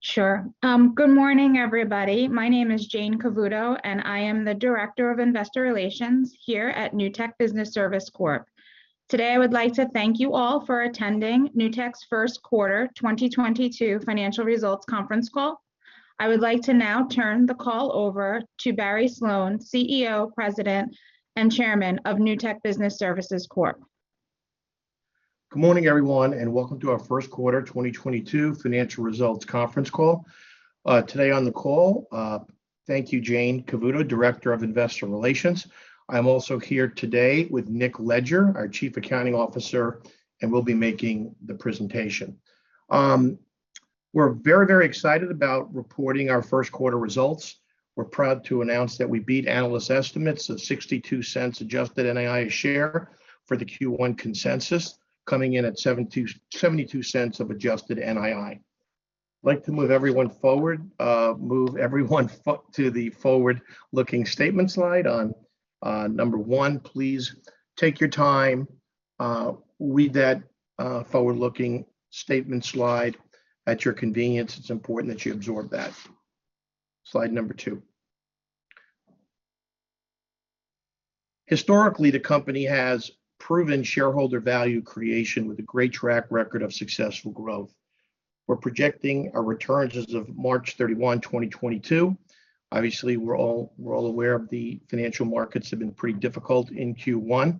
Sure. Good morning, everybody. My name is Jayne Cavuoto, and I am the Director of Investor Relations here at Newtek Business Services Corp. Today, I would like to thank you all for attending Newtek's first quarter 2022 financial results conference call. I would like to now turn the call over to Barry Sloane, CEO, President, and Chairman of Newtek Business Services Corp. Good morning, everyone, and welcome to our first quarter 2022 financial results conference call. Today on the call, thank you, Jayne Cavuoto, Director of Investor Relations. I'm also here today with Nicholas Leger, our Chief Accounting Officer, and we'll be making the presentation. We're very excited about reporting our first quarter results. We're proud to announce that we beat analyst estimates of $0.62 adjusted NII a share for the Q1 consensus coming in at $0.72 adjusted NII. I'd like to move everyone to the forward-looking statement slide on slide one. Please take your time, read that forward-looking statement slide at your convenience. It's important that you absorb that. Slide two. Historically, the company has proven shareholder value creation with a great track record of successful growth. We're projecting our returns as of March 31, 2022. Obviously, we're all aware of the financial markets have been pretty difficult in Q1.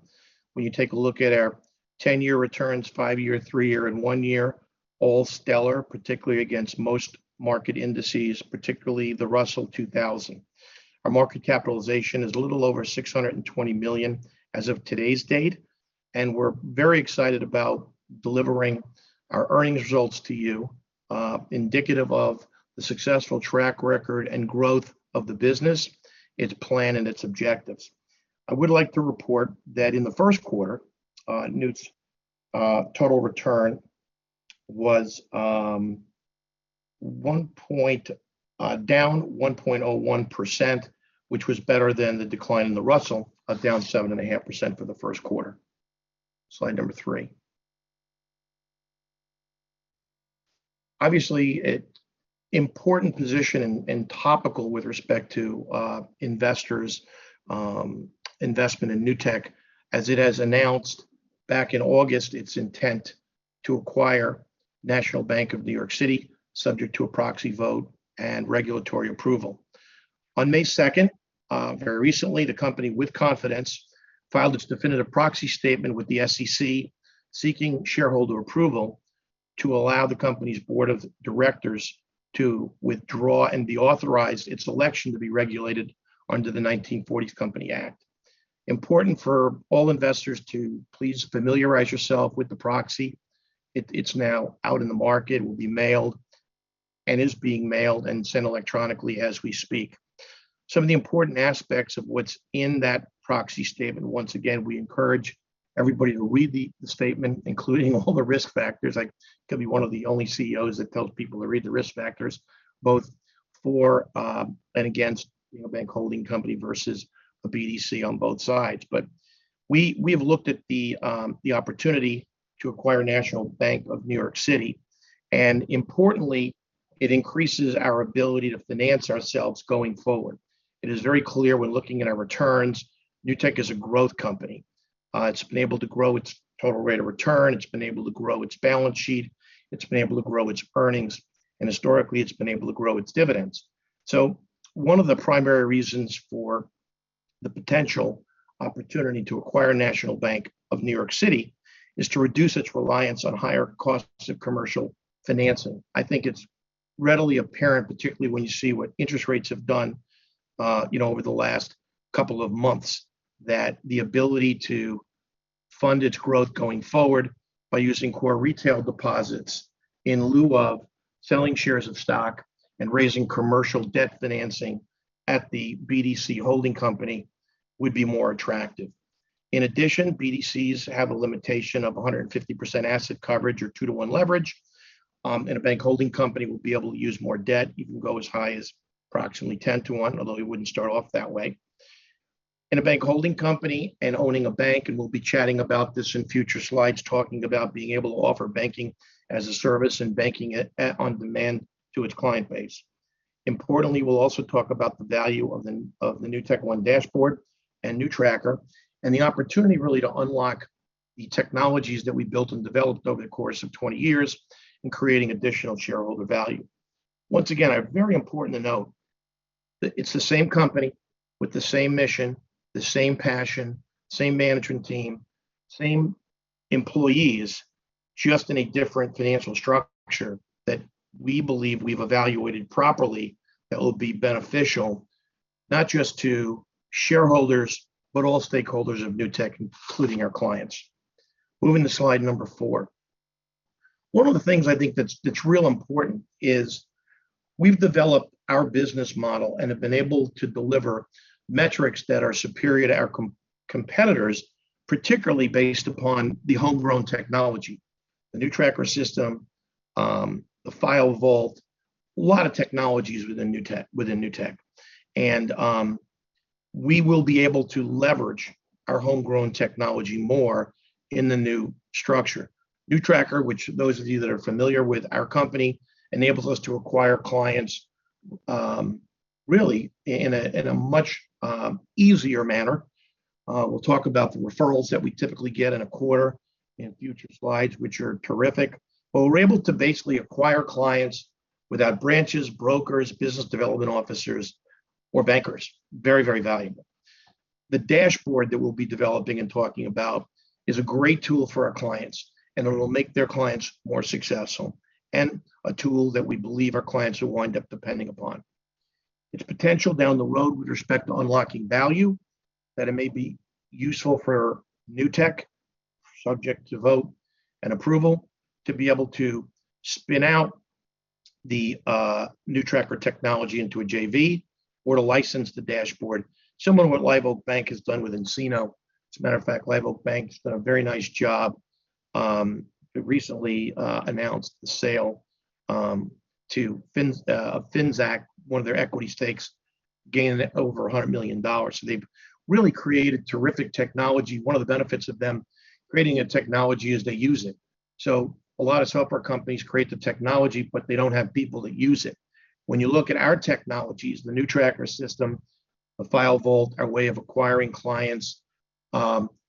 When you take a look at our 10-year returns, five-year, three-year, and one-year, all stellar, particularly against most market indices, particularly the Russell 2000. Our market capitalization is a little over $620 million as of today's date, and we're very excited about delivering our earnings results to you, indicative of the successful track record and growth of the business, its plan, and its objectives. I would like to report that in the first quarter, NEWT's total return was down 1.01%, which was better than the decline in the Russell 2000, down 7.5% for the first quarter. Slide number 3. Obviously, it's an important position and topical with respect to investors' investment in Newtek, as it has announced back in August its intent to acquire National Bank of New York City, subject to a proxy vote and regulatory approval. On May 2nd, very recently, the company confidently filed its definitive proxy statement with the SEC seeking shareholder approval to allow the company's Bboard of Directors to withdraw and be authorized in its election to be regulated under the Investment Company Act of 1940. Important for all investors to please familiarize yourself with the proxy. It's now out in the market, will be mailed, and is being mailed and sent electronically as we speak. Some of the important aspects of what's in that proxy statement, once again, we encourage everybody to read the statement, including all the risk factors. I could be one of the only CEOs that tells people to read the risk factors both for and against, you know, bank holding company versus a BDC on both sides. We have looked at the opportunity to acquire National Bank of New York City, and importantly, it increases our ability to finance ourselves going forward. It is very clear when looking at our returns, Newtek is a growth company. It's been able to grow its total rate of return. It's been able to grow its balance sheet. It's been able to grow its earnings. Historically, it's been able to grow its dividends. One of the primary reasons for the potential opportunity to acquire National Bank of New York City is to reduce its reliance on higher costs of commercial financing. I think it's readily apparent, particularly when you see what interest rates have done, you know, over the last couple of months, that the ability to fund its growth going forward by using core retail deposits in lieu of selling shares of stock and raising commercial debt financing at the BDC holding company would be more attractive. In addition, BDCs have a limitation of 150% asset coverage or 2-to-1 leverage, and a bank holding company will be able to use more debt, even go as high as approximately 10-to-1, although it wouldn't start off that way. In a bank holding company and owning a bank, and we'll be chatting about this in future slides, talking about being able to offer banking as a service and banking on demand to its client base. Importantly, we'll also talk about the value of the NewtekOne Dashboard and NewTracker, and the opportunity really to unlock the technologies that we built and developed over the course of 20 years in creating additional shareholder value. Once again, very important to note that it's the same company with the same mission, the same passion, same management team, same employees, just in a different financial structure that we believe we've evaluated properly that will be beneficial not just to shareholders, but all stakeholders of Newtek, including our clients. Moving to slide number four. One of the things I think that's real important is we've developed our business model and have been able to deliver metrics that are superior to our competitors, particularly based upon the homegrown technology, the NewTracker system, the File Vault, a lot of technologies within Newtek. We will be able to leverage our homegrown technology more in the new structure. NewTracker, which those of you that are familiar with our company enables us to acquire clients, really in a much easier manner. We'll talk about the referrals that we typically get in a quarter in future slides, which are terrific. We're able to basically acquire clients without branches, brokers, business development officers or bankers—very valuable. The dashboard that we'll be developing and talking about is a great tool for our clients, and it'll make their clients more successful, and a tool that we believe our clients will wind up depending upon. Its potential down the road with respect to unlocking value, that it may be useful for Newtek, subject to vote and approval, to be able to spin out the NewTracker technology into a JV, or to license the dashboard, similar to what Live Oak Bank has done with nCino. As a matter of fact, Live Oak Bank has done a very nice job. It recently announced the sale to Finxact, one of their equity stakes, gaining over $100 million. They've really created terrific technology. One of the benefits of them creating a technology is they use it. A lot of software companies create the technology, but they don't have people that use it. When you look at our technologies, the NewTracker system, the File Vault, our way of acquiring clients,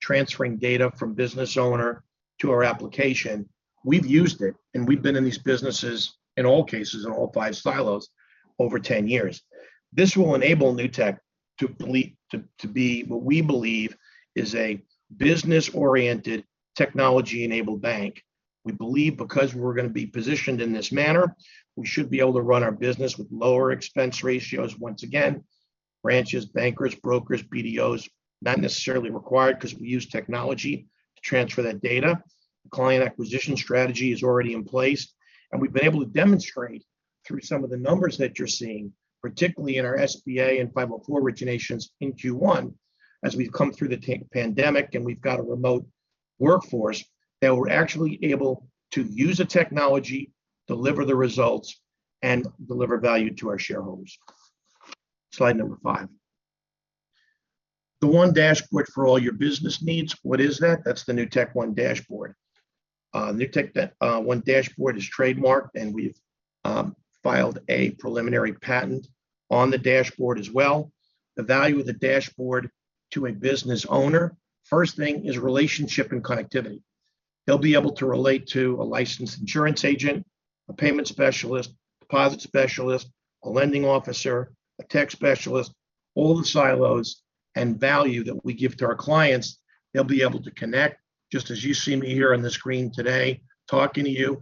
transferring data from business owner to our application, we've used it and we've been in these businesses in all cases, in all five silos over 10 years. This will enable Newtek to be what we believe is a business-oriented technology-enabled bank. We believe because we're gonna be positioned in this manner, we should be able to run our business with lower expense ratios. Once again, branches, bankers, brokers, BDOs, not necessarily required because we use technology to transfer that data. The client acquisition strategy is already in place, and we've been able to demonstrate through some of the numbers that you're seeing, particularly in our SBA and 504 originations in Q1 as we've come through the pandemic and we've got a remote workforce, that we're actually able to use the technology, deliver the results, and deliver value to our shareholders. Slide number five. The one dashboard for all your business needs. What is that? That's the NewtekOne Dashboard. NewtekOne Dashboard is trademarked, and we've filed a preliminary patent on the dashboard as well. The value of the dashboard to a business owner, first thing is relationship and connectivity. They'll be able to relate to a licensed insurance agent, a payment specialist, deposit specialist, a lending officer, a tech specialist, all the silos and value that we give to our clients. They'll be able to connect, just as you see me here on the screen today talking to you.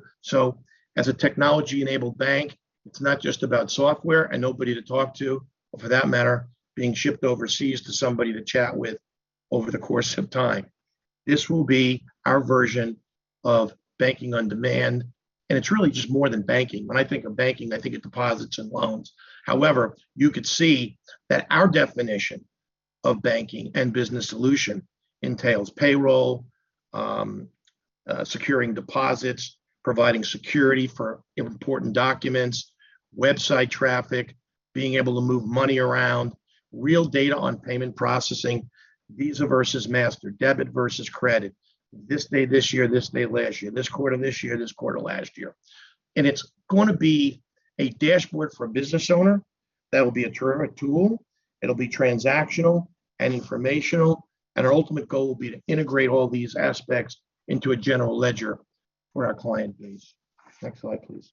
As a technology-enabled bank, it's not just about software and nobody to talk to, or for that matter, being shipped overseas to somebody to chat with over the course of time. This will be our version of banking on demand, and it's really just more than banking. When I think of banking, I think of deposits and loans. However, you could see that our definition of banking and business solution entails payroll, securing deposits, providing security for important documents, website traffic, being able to move money around, real data on payment processing, Visa versus Mastercard, debit versus credit. This day this year, this day last year, this quarter this year, this quarter last year. It's going to be a dashboard for a business owner that will be a terrific tool. It'll be transactional and informational, and our ultimate goal will be to integrate all these aspects into a general ledger for our client base. Next slide, please.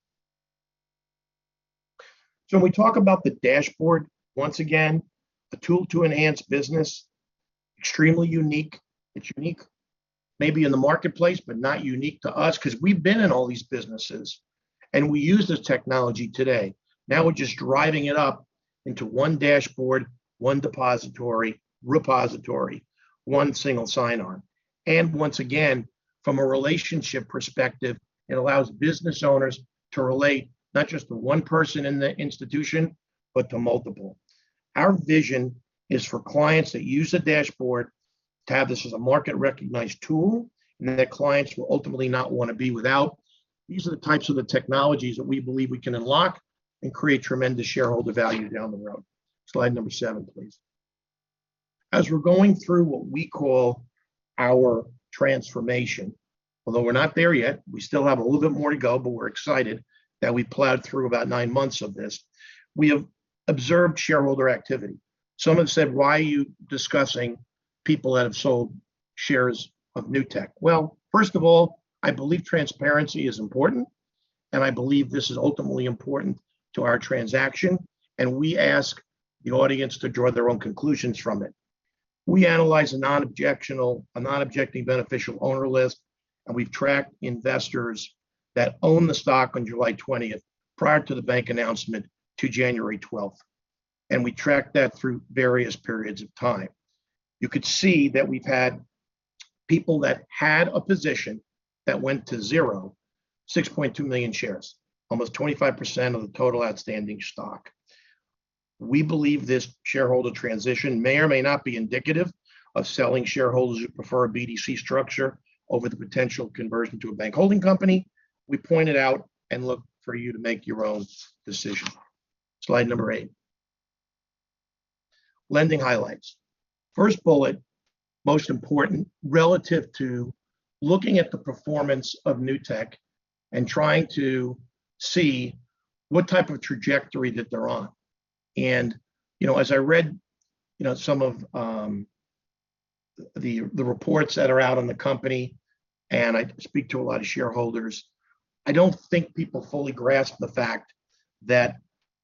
When we talk about the dashboard, once again, a tool to enhance business, extremely unique. It's unique maybe in the marketplace, but not unique to us because we've been in all these businesses and we use this technology today. Now we're just driving it up into one dashboard, one depository, repository, one single sign-on. And once again, from a relationship perspective, it allows business owners to relate not just to one person in the institution, but to multiple. Our vision is for clients that use the dashboard to have this as a market-recognized tool, and that clients will ultimately not want to be without. These are the types of the technologies that we believe we can unlock and create tremendous shareholder value down the road. Slide number 7, please. As we're going through what we call our transformation, although we're not there yet, we still have a little bit more to go, but we're excited that we've plowed through about nine months of this. We have observed shareholder activity. Some have said, "Why are you discussing people that have sold shares of Newtek?" Well, first of all, I believe transparency is important, and I believe this is ultimately important to our transaction, and we ask the audience to draw their own conclusions from it. We analyze a non-objecting beneficial owner list, and we've tracked investors that own the stock on July 20th, prior to the bank announcement to January 12th. We tracked that through various periods of time. You could see that we've had people that had a position that went to zero, 6.2 million shares, almost 25% of the total outstanding stock. We believe this shareholder transition may or may not be indicative of selling shareholders who prefer a BDC structure over the potential conversion to a bank holding company. We point it out and look for you to make your own decision. Slide number 8. Lending highlights. First bullet, most important relative to looking at the performance of Newtek and trying to see what type of trajectory that they're on. You know, as I read, you know, some of the reports that are out on the company, and I speak to a lot of shareholders, I don't think people fully grasp the fact that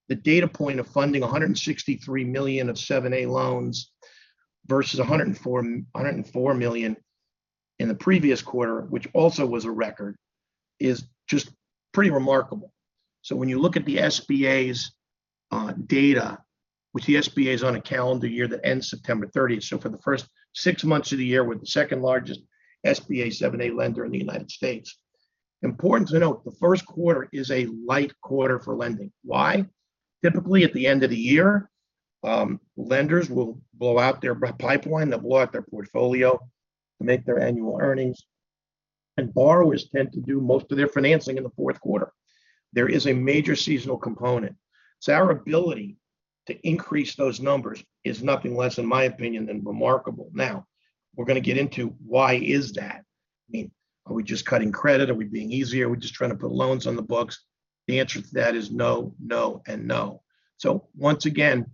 the data point of funding $163 million of 7(a) loans versus $104 million in the previous quarter, which also was a record, is just pretty remarkable. When you look at the SBA's data, which the SBA is on a calendar year that ends September 30th. For the first six months of the year, we're the second largest SBA 7(a) lender in the United States. Important to note, the first quarter is a light quarter for lending. Why? Typically at the end of the year, lenders will blow out their pipeline. They'll blow out their portfolio to make their annual earnings. Borrowers tend to do most of their financing in the fourth quarter. There is a major seasonal component. Our ability to increase those numbers is nothing less, in my opinion, than remarkable. Now, we're going to get into why is that? I mean, are we just cutting credit? Are we being easier? Are we just trying to put loans on the books? The answer to that is no, and no. Once again,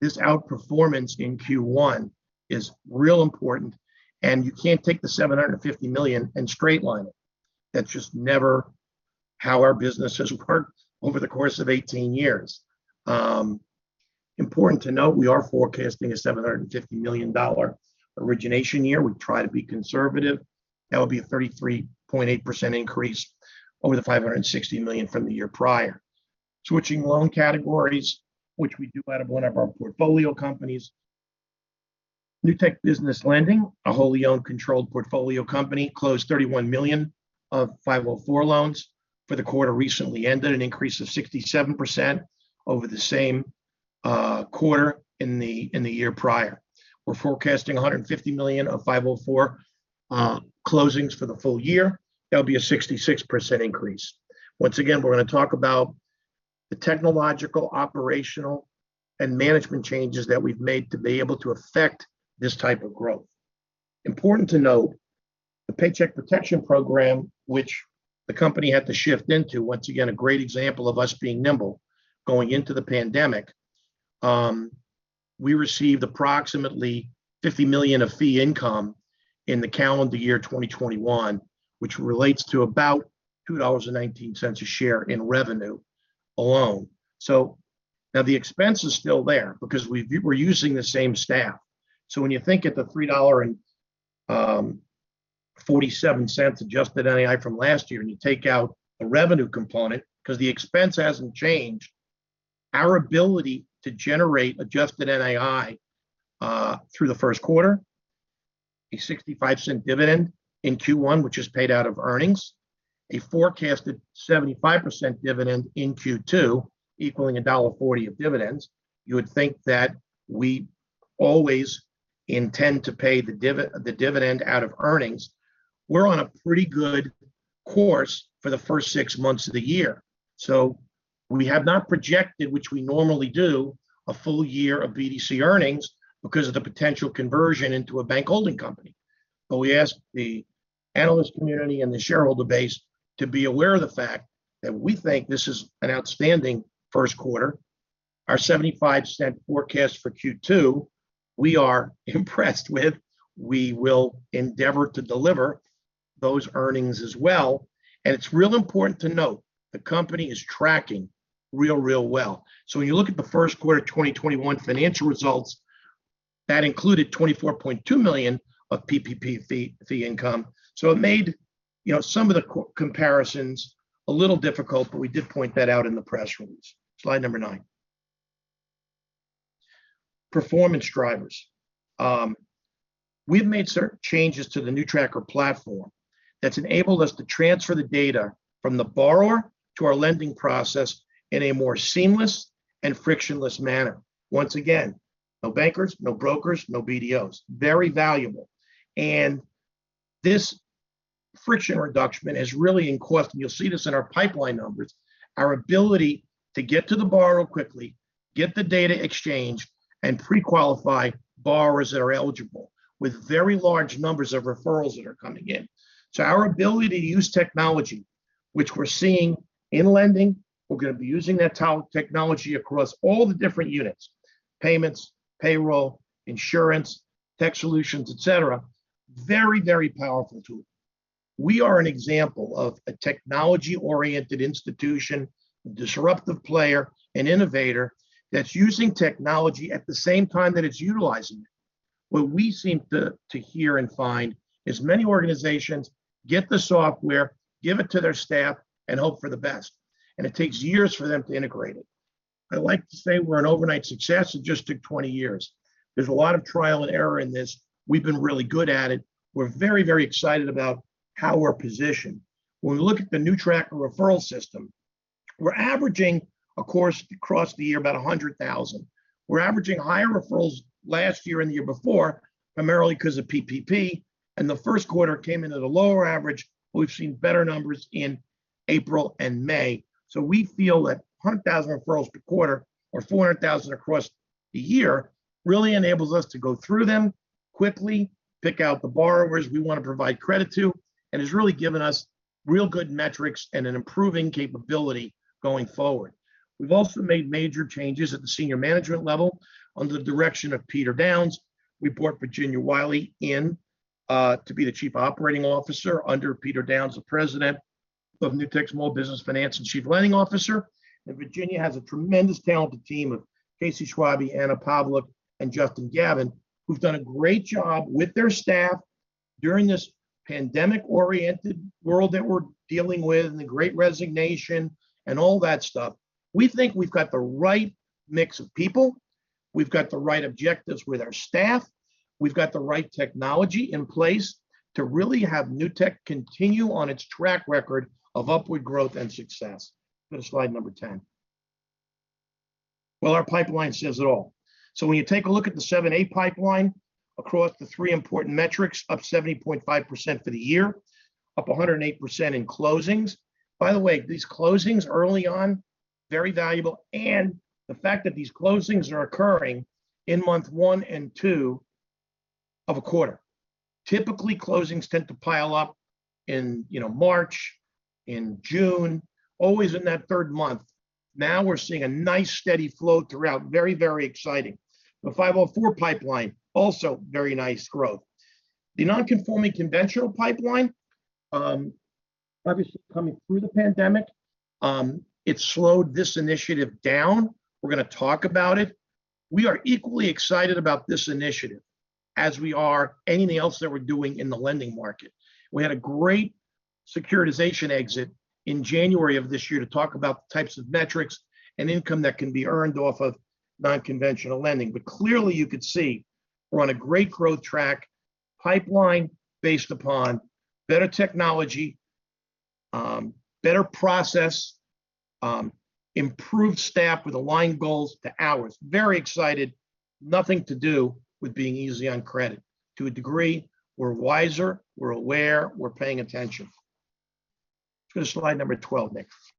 this outperformance in Q1 is real important. You can't take the $750 million and straight-line it. That's just never how our business has worked over the course of 18 years. Important to note, we are forecasting a $750 million origination year. We try to be conservative. That would be a 33.8% increase over the $560 million from the year prior. Switching loan categories, which we do out of one of our portfolio companies, Newtek Business Lending, a wholly owned controlled portfolio company, closed $31 million of 504 loans for the quarter recently ended, an increase of 67% over the same quarter in the year prior. We're forecasting $150 million of 504 closings for the full year. That would be a 66% increase. Once again, we're going to talk about the technological, operational, and management changes that we've made to be able to affect this type of growth. Important to note, the Paycheck Protection Program, which the company had to shift into, once again, a great example of us being nimble going into the pandemic, we received approximately $50 million of fee income in the calendar year 2021, which relates to about $2.19 a share in revenue alone. Now the expense is still there because we're using the same staff. When you think about the $3.47 adjusted NII from last year and you take out the revenue component because the expense hasn't changed, our ability to generate adjusted NII through the first quarter, a $0.65 dividend in Q1, which is paid out of earnings, a forecasted $0.75 dividend in Q2, equaling $1.40 of dividends, you would think that we always intend to pay the dividend out of earnings. We're on a pretty good course for the first six months of the year. We have not projected, which we normally do, a full year of BDC earnings because of the potential conversion into a bank holding company. We ask the analyst community and the shareholder base to be aware of the fact that we think this is an outstanding first quarter. Our $75 forecast for Q2, we are impressed with. We will endeavor to deliver those earnings as well. It's real important to note the company is tracking real well. When you look at the first quarter 2021 financial results, that included $24.2 million of PPP fee income. It made some of the comparisons a little difficult, but we did point that out in the press release. Slide number nine. Performance drivers. We've made certain changes to the NewTracker platform that's enabled us to transfer the data from the borrower to our lending process in a more seamless and frictionless manner. Once again, no bankers, no brokers, no BDOs—very valuable. This friction reduction is really in question. You'll see this in our pipeline numbers. Our ability to get to the borrower quickly, get the data exchanged and pre-qualify borrowers that are eligible with very large numbers of referrals that are coming in. Our ability to use technology, which we're seeing in lending, we're going to be using that technology across all the different units, payments, payroll, insurance, tech solutions, et cetera—very, very powerful tool. We are an example of a technology-oriented institution, a disruptive player, an innovator that's using technology at the same time that it's utilizing it. What we seem to hear and find is many organizations get the software, give it to their staff and hope for the best. It takes years for them to integrate it. I like to say we're an overnight success. It just took 20 years. There's a lot of trial and error in this. We've been really good at it. We're very, very excited about how we're positioned. When we look at the NewTracker referral system. We're averaging across the year about 100,000. We're averaging higher referrals last year and the year before primarily because of PPP and the first quarter came in at a lower average, but we've seen better numbers in April and May. We feel that 100,000 referrals per quarter or 400,000 across the year really enables us to go through them quickly, pick out the borrowers we wanna provide credit to, and has really given us real good metrics and an improving capability going forward. We've also made major changes at the senior management level under the direction of Peter Downs. We brought Virginia Wiley in to be the Chief Operating Officer under Peter Downs, the President of Newtek Small Business Finance and Chief Lending Officer. Virginia has a tremendous talented team of Casey Schwabe, Anna Pavlik, and Justin Gavin, who've done a great job with their staff during this pandemic-oriented world that we're dealing with and the great resignation and all that stuff. We think we've got the right mix of people, we've got the right objectives with our staff, we've got the right technology in place to really have Newtek continue on its track record of upward growth and success. Go to slide number 10. Well, our pipeline says it all. When you take a look at the 7(a) pipeline across the three important metrics, up 70.5% for the year, up 108% in closings. By the way, these closings early on, very valuable, and the fact that these closings are occurring in month one and two of a quarter. Typically, closings tend to pile up in, you know, March, in June, always in that third month. Now we're seeing a nice steady flow throughout. Very, very exciting. The 504 pipeline, also very nice growth. The non-conforming conventional pipeline, obviously coming through the pandemic, it slowed this initiative down. We're gonna talk about it. We are equally excited about this initiative as we are anything else that we're doing in the lending market. We had a great securitization exit in January of this year to talk about the types of metrics and income that can be earned off of non-conventional lending. Clearly, you could see we're on a great growth track pipeline based upon better technology, better process, improved staff with aligned goals to ours. Very excited. Nothing to do with being easy on credit. To a degree, we're wiser, we're aware, we're paying attention. Go to slide number 12 next.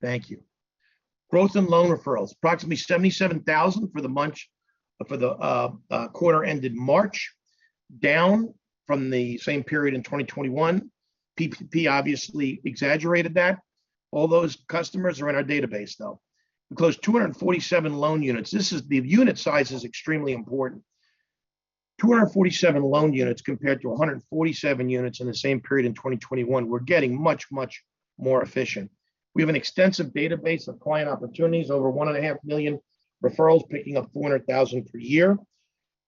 Thank you. Growth in loan referrals. Approximately 77,000 for the quarter ended March, down from the same period in 2021. PPP obviously exaggerated that. All those customers are in our database, though. We closed 247 loan units. The unit size is extremely important: 247 loan units compared to 147 units in the same period in 2021. We're getting much, much more efficient. We have an extensive database of client opportunities, over 1.5 million referrals, picking up 400,000 per year.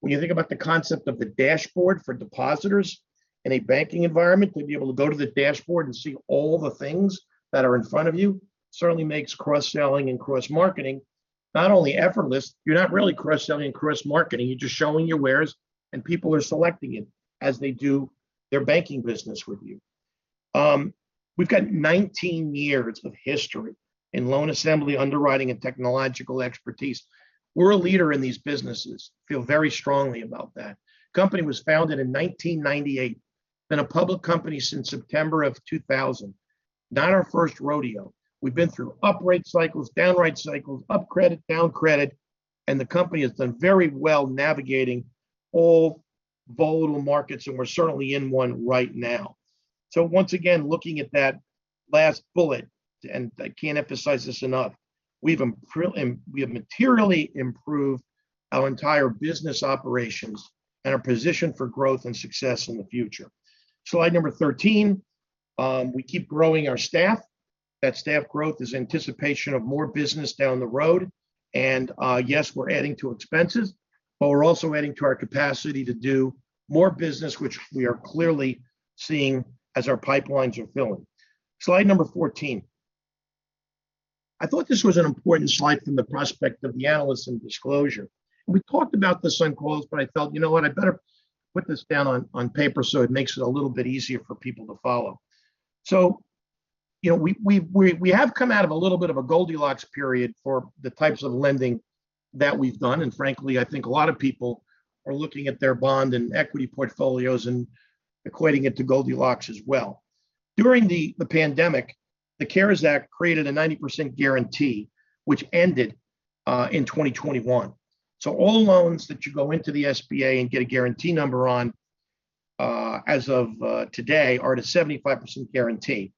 When you think about the concept of the dashboard for depositors in a banking environment, to be able to go to the dashboard and see all the things that are in front of you certainly makes cross-selling and cross-marketing not only effortless, you're not really cross-selling and cross-marketing, you're just showing your wares and people are selecting it as they do their banking business with you. We've got 19 years of history in loan assembly, underwriting, and technological expertise. We're a leader in these businesses. Feel very strongly about that. Company was founded in 1998. Been a public company since September of 2000. Not our first rodeo. We've been through up rate cycles, down rate cycles, up credit, down credit, and the company has done very well navigating all volatile markets, and we're certainly in one right now. Once again, looking at that last bullet, and I can't emphasize this enough, we have materially improved our entire business operations and are positioned for growth and success in the future. Slide number 13. We keep growing our staff. That staff growth is anticipation of more business down the road. Yes, we're adding to expenses, but we're also adding to our capacity to do more business, which we are clearly seeing as our pipelines are filling. Slide number 14. I thought this was an important slide from the perspective of the analysts and disclosure. We talked about this on calls, but I felt, you know what, I better put this down on paper so it makes it a little bit easier for people to follow. You know, we have come out of a little bit of a Goldilocks period for the types of lending that we've done, and frankly, I think a lot of people are looking at their bond and equity portfolios and equating it to Goldilocks as well. During the pandemic, the CARES Act created a 90% guarantee, which ended in 2021. All loans that you go into the SBA and get a guarantee number on, as of today, are at a 75% guarantee.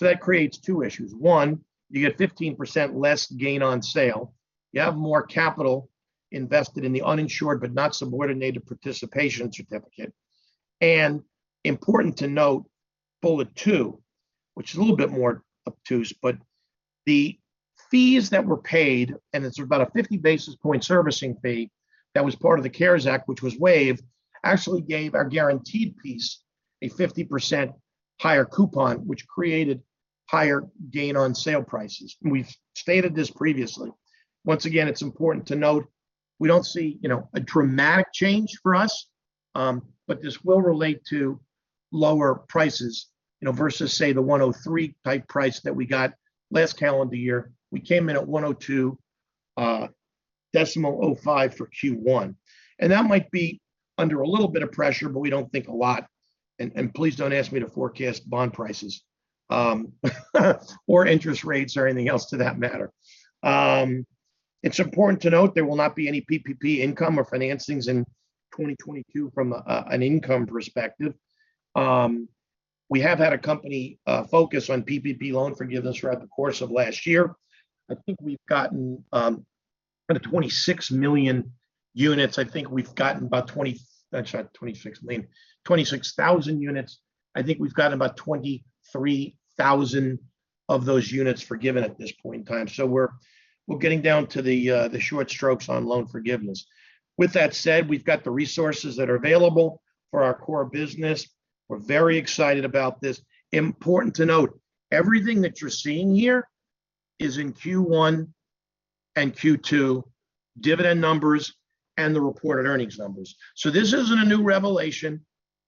That creates two issues. One, you get 15% less gain on sale. You have more capital invested in the uninsured but not subordinated participation certificate. Important to note, bullet two, which is a little bit more obtuse, but the fees that were paid, and it's about a 50 basis points servicing fee that was part of the CARES Act, which was waived, actually gave our guaranteed piece a 50% higher coupon, which created higher gain on sale prices. We've stated this previously. Once again, it's important to note we don't see, you know, a dramatic change for us, but this will relate to lower prices, you know, versus say the 103-type price that we got last calendar year. We came in at 102.05 for Q1. That might be under a little bit of pressure, but we don't think a lot. Please don't ask me to forecast bond prices, or interest rates or anything else for that matter. It's important to note there will not be any PPP income or financings in 2022 from an income perspective. We have had a company focus on PPP loan forgiveness throughout the course of last year. I think we've gotten out of 26,000 units, I think we've gotten about 23,000 of those units forgiven at this point in time. We're getting down to the short strokes on loan forgiveness. With that said, we've got the resources that are available for our core business. We're very excited about this. Important to note, everything that you're seeing here is in Q1 and Q2 dividend numbers and the reported earnings numbers. This isn't a new revelation.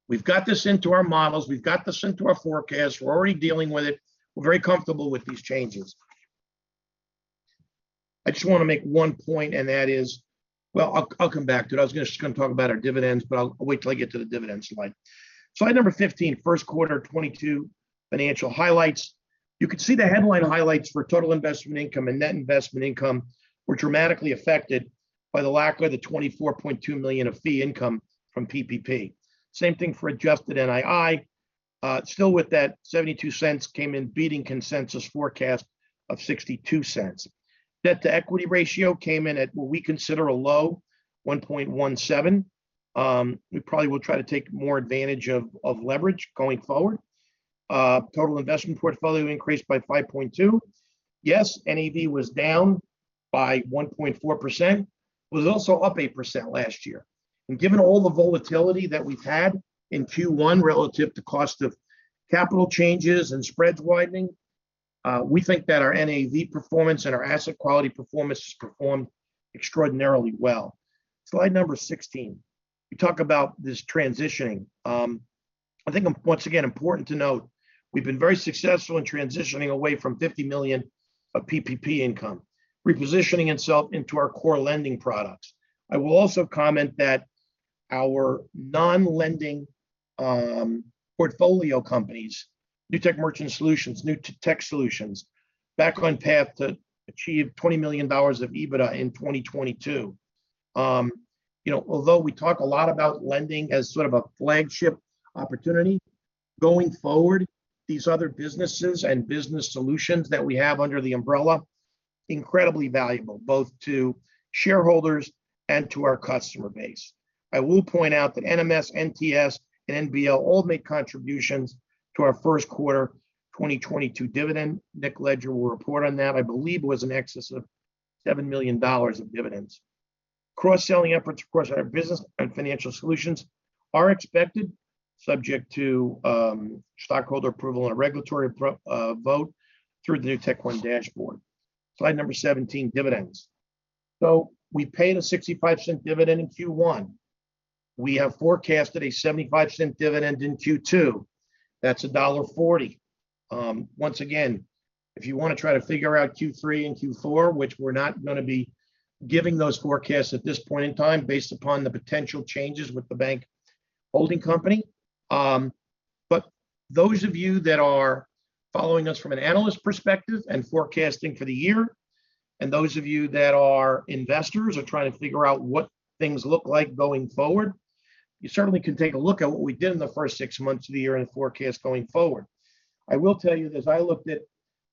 We've got this into our models. We've got this into our forecast. We're already dealing with it. We're very comfortable with these changes. I just want to make one point, and that is. Well, I'll come back to it. I was gonna talk about our dividends, but I'll wait till I get to the dividends slide. Slide number 15, first quarter 2022 financial highlights. You can see the headline highlights for total investment income and net investment income were dramatically affected by the lack of the $24.2 million of fee income from PPP. Same thing for adjusted NII. Still, with that $0.72 came in beating consensus forecast of $0.62. Debt-to-equity ratio came in at what we consider a low 1.17x. We probably will try to take more advantage of leverage going forward. Total investment portfolio increased by 5.2x. Yes, NAV was down by 1.4%. It was also up 8% last year. Given all the volatility that we've had in Q1 relative to cost of capital changes and spreads widening, we think that our NAV performance and our asset quality performance has performed extraordinarily well. Slide number 16. We talk about this transitioning. I think once again, important to note, we've been very successful in transitioning away from $50 million of PPP income, repositioning itself into our core lending products. I will also comment that our non-lending portfolio companies, Newtek Merchant Solutions, Newtek Technology Solutions, back on path to achieve $20 million of EBITDA in 2022. You know, although we talk a lot about lending as sort of a flagship opportunity, going forward, these other businesses and business solutions that we have under the umbrella, incredibly valuable, both to shareholders and to our customer base. I will point out that NMS, NTS, and NBL all made contributions to our first quarter 2022 dividend. Nick Leger will report on that. I believe it was in excess of $7 million of dividends. Cross-selling efforts across our business and financial solutions are expected, subject to stockholder approval and a regulatory vote through the NewtekOne Dashboard. Slide 17, dividends. We paid a $0.65 dividend in Q1. We have forecasted a $0.75 dividend in Q2. That's $1.40. Once again, if you want to try to figure out Q3 and Q4, which we're not gonna be giving those forecasts at this point in time based upon the potential changes with the bank holding company, but those of you that are following us from an analyst perspective and forecasting for the year, and those of you that are investors or trying to figure out what things look like going forward, you certainly can take a look at what we did in the first six months of the year and forecast going forward. I will tell you this, I looked at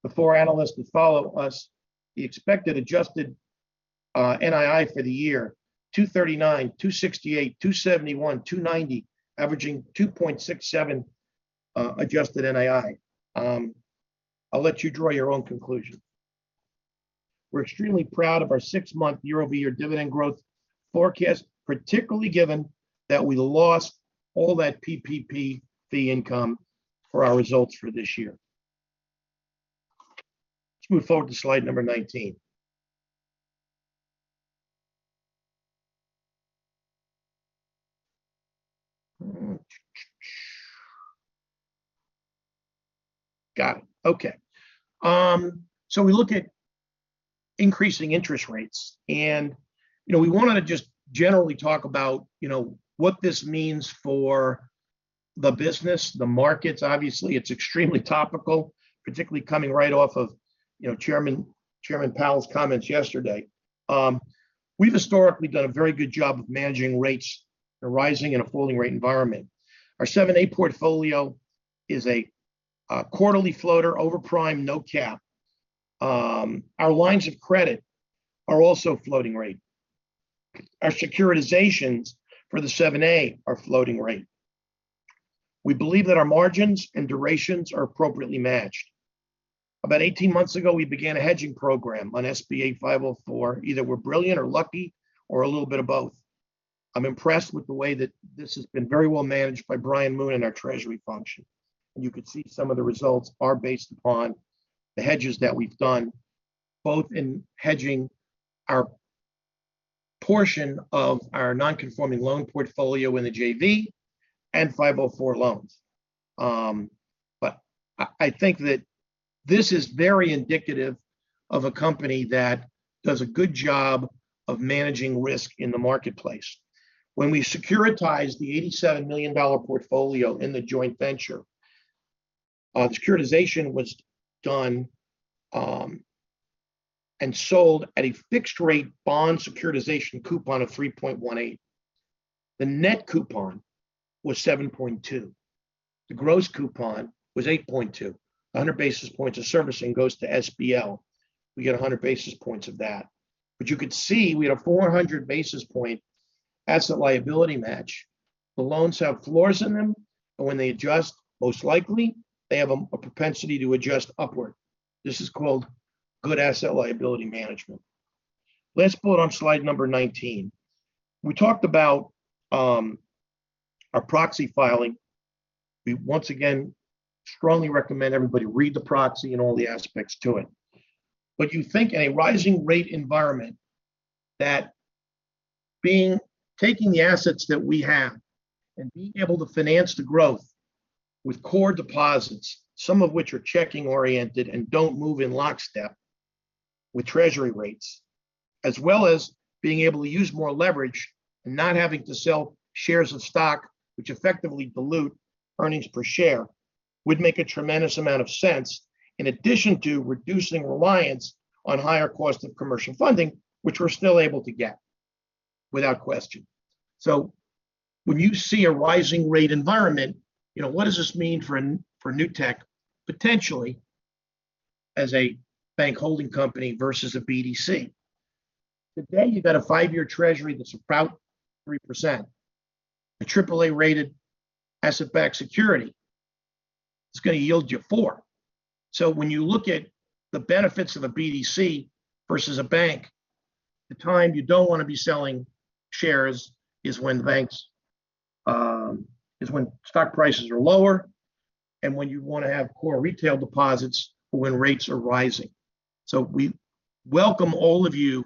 the four analysts that follow us, the expected adjusted NII for the year, $2.39, $2.68, $2.71, $2.90, averaging $2.67, adjusted NII. I'll let you draw your own conclusion. We're extremely proud of our six-month year-over-year dividend growth forecast, particularly given that we lost all that PPP fee income for our results for this year. Let's move forward to slide number 19. Got it. Okay. We look at increasing interest rates. You know, we want to just generally talk about, you know, what this means for the business, the markets. Obviously, it's extremely topical, particularly coming right off of, you know, Chairman Powell's comments yesterday. We've historically done a very good job of managing rates in a rising and a falling rate environment. Our 7(a) portfolio is a quarterly floater over prime, no cap. Our lines of credit are also floating rate. Our securitizations for the 7(a) are floating rate. We believe that our margins and durations are appropriately matched. About 18 months ago, we began a hedging program on SBA 504. Either we're brilliant or lucky or a little bit of both. I'm impressed with the way that this has been very well managed by Brian Moon and our Treasury function. You can see some of the results are based upon the hedges that we've done both in hedging our portion of our non-conforming loan portfolio in the JV and 504 loans. But I think that this is very indicative of a company that does a good job of managing risk in the marketplace. When we securitized the $87 million portfolio in the joint venture, securitization was done, and sold at a fixed rate bond securitization coupon of 3.18%. The net coupon was 7.2%. The gross coupon was 8.2%. 100 basis points of servicing goes to SBL. We get 100 basis points of that. You could see we had a 400 basis point asset-liability match. The loans have floors in them, and when they adjust, most likely they have a propensity to adjust upward. This is called good asset-liability management. Let's pull it on slide number 19. We talked about our proxy filing. We once again strongly recommend everybody read the proxy and all the aspects to it. You think in a rising rate environment that taking the assets that we have and being able to finance the growth with core deposits, some of which are checking oriented and don't move in lockstep with Treasury rates, as well as being able to use more leverage and not having to sell shares of stock, which effectively dilute earnings per share, would make a tremendous amount of sense in addition to reducing reliance on higher cost of commercial funding, which we're still able to get without question. When you see a rising rate environment, you know, what does this mean for Newtek potentially as a bank holding company versus a BDC? Today, you've got a five-year Treasury that's about 3%. A AAA-rated asset-backed security is going to yield you 4%. When you look at the benefits of a BDC versus a bank, the time you don't want to be selling shares is when stock prices are lower and when you want to have core retail deposits when rates are rising. We welcome all of you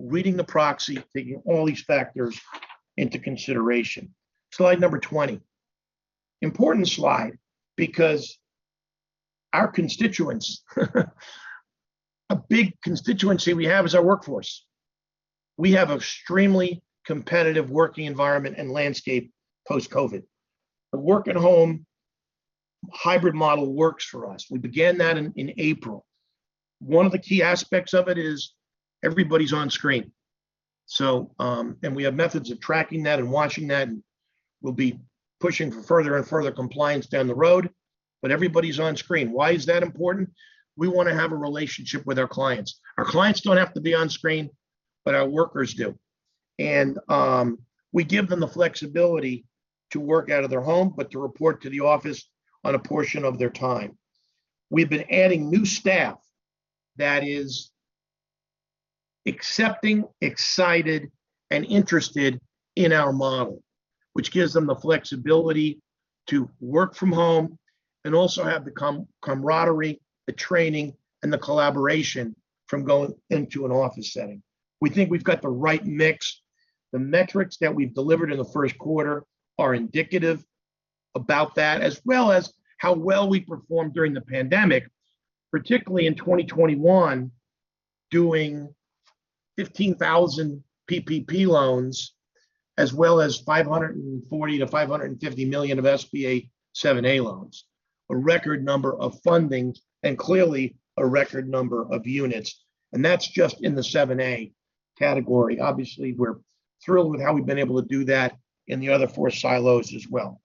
reading the proxy, taking all these factors into consideration. Slide number 20. Important slide because our constituents, a big constituency we have, is our workforce. We have extremely competitive working environment and landscape post-COVID. The work-at-home hybrid model works for us. We began that in April. One of the key aspects of it is everybody's on screen, and we have methods of tracking that and watching that, and we'll be pushing for further and further compliance down the road. Everybody's on screen. Why is that important? We want to have a relationship with our clients. Our clients don't have to be on screen, but our workers do. We give them the flexibility to work out of their home, but to report to the office on a portion of their time. We've been adding new staff that is accepting, excited, and interested in our model, which gives them the flexibility to work from home and also have the camaraderie, the training, and the collaboration from going into an office setting. We think we've got the right mix. The metrics that we've delivered in the first quarter are indicative about that, as well as how well we performed during the pandemic, particularly in 2021, doing 15,000 PPP loans, as well as $540 million-$550 million of SBA 7(a) loans, a record number of fundings and clearly a record number of units. That's just in the 7(a) category. Obviously, we're thrilled with how we've been able to do that in the other four silos as well.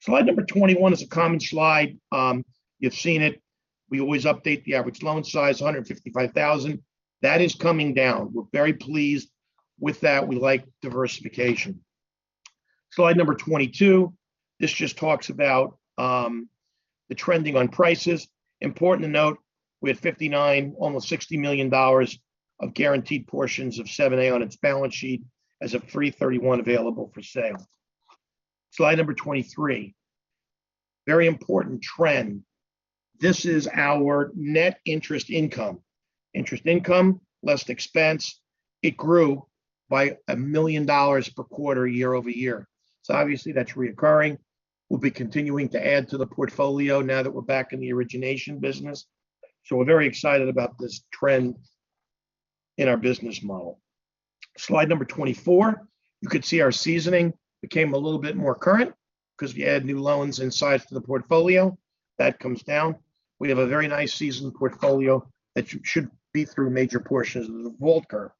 Slide number 21 is a common slide. You've seen it. We always update the average loan size, 155,000. That is coming down. We're very pleased with that. We like diversification. Slide number 22. This just talks about the trending on prices. Important to note, we have $59 million, almost $60 million of guaranteed portions of 7(a) on its balance sheet as of 3/31 available for sale. Slide number 23. Very important trend. This is our net interest income. Interest income less expense. It grew by $1 million per quarter year-over-year. Obviously that's recurring. We'll be continuing to add to the portfolio now that we're back in the origination business. We're very excited about this trend in our business model. Slide number 24. You could see our seasoning became a little bit more current because we add new loans and size to the portfolio. That comes down. We have a very nice seasoned portfolio that should be through major portions of the Volcker Rule.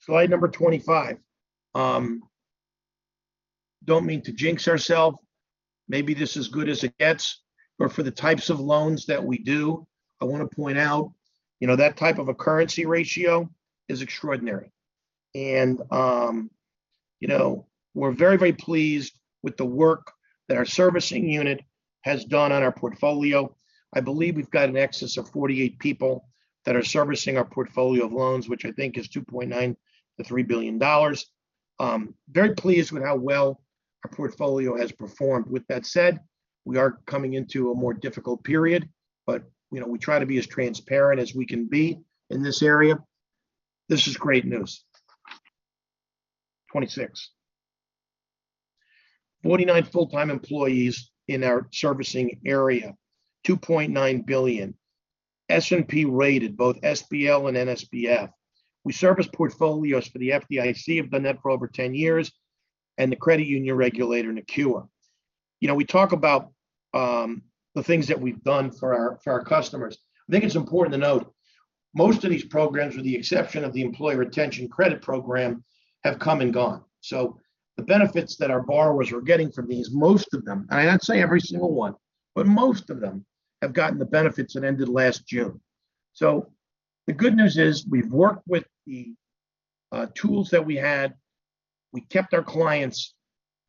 Slide number 25. Don't mean to jinx ourselves. Maybe this is good as it gets. But for the types of loans that we do, I want to point out, you know, that type of a currency ratio is extraordinary. You know, we're very, very pleased with the work that our servicing unit has done on our portfolio. I believe we've got an excess of 48 people that are servicing our portfolio of loans, which I think is $2.9 billion-$3 billion. Very pleased with how well our portfolio has performed. With that said, we are coming into a more difficult period, but, you know, we try to be as transparent as we can be in this area. This is great news. Slide 26. Forty-nine full-time employees in our servicing area. $2.9 billion. S&P rated both SBL and NSBF. We service portfolios for the FDIC, have done that for over 10 years, and the credit union regulator, the NCUA. You know, we talk about the things that we've done for our customers. I think it's important to note most of these programs, with the exception of the Employee Retention Credit program, have come and gone. The benefits that our borrowers were getting from these, most of them, and I'm not saying every single one, but most of them have gotten the benefits that ended last June. The good news is we've worked with the tools that we had. We kept our clients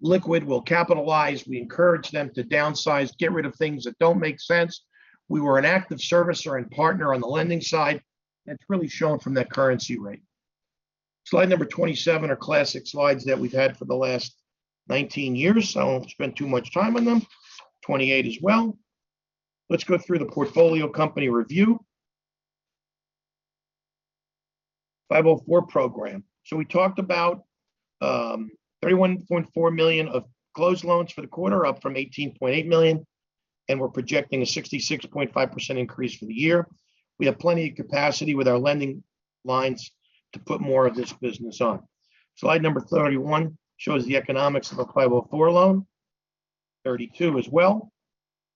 liquid. We'll capitalize. We encourage them to downsize, get rid of things that don't make sense. We were an active servicer and partner on the lending side, and it's really shown from that cure rate. Slide number 27 are classic slides that we've had for the last 19 years, so I won't spend too much time on them. 28 as well. Let's go through the portfolio company review. 504 program. We talked about $31.4 million of closed loans for the quarter, up from $18.8 million, and we're projecting a 66.5% increase for the year. We have plenty of capacity with our lending lines to put more of this business on. Slide number 31 shows the economics of a 504 loan. 32 as well.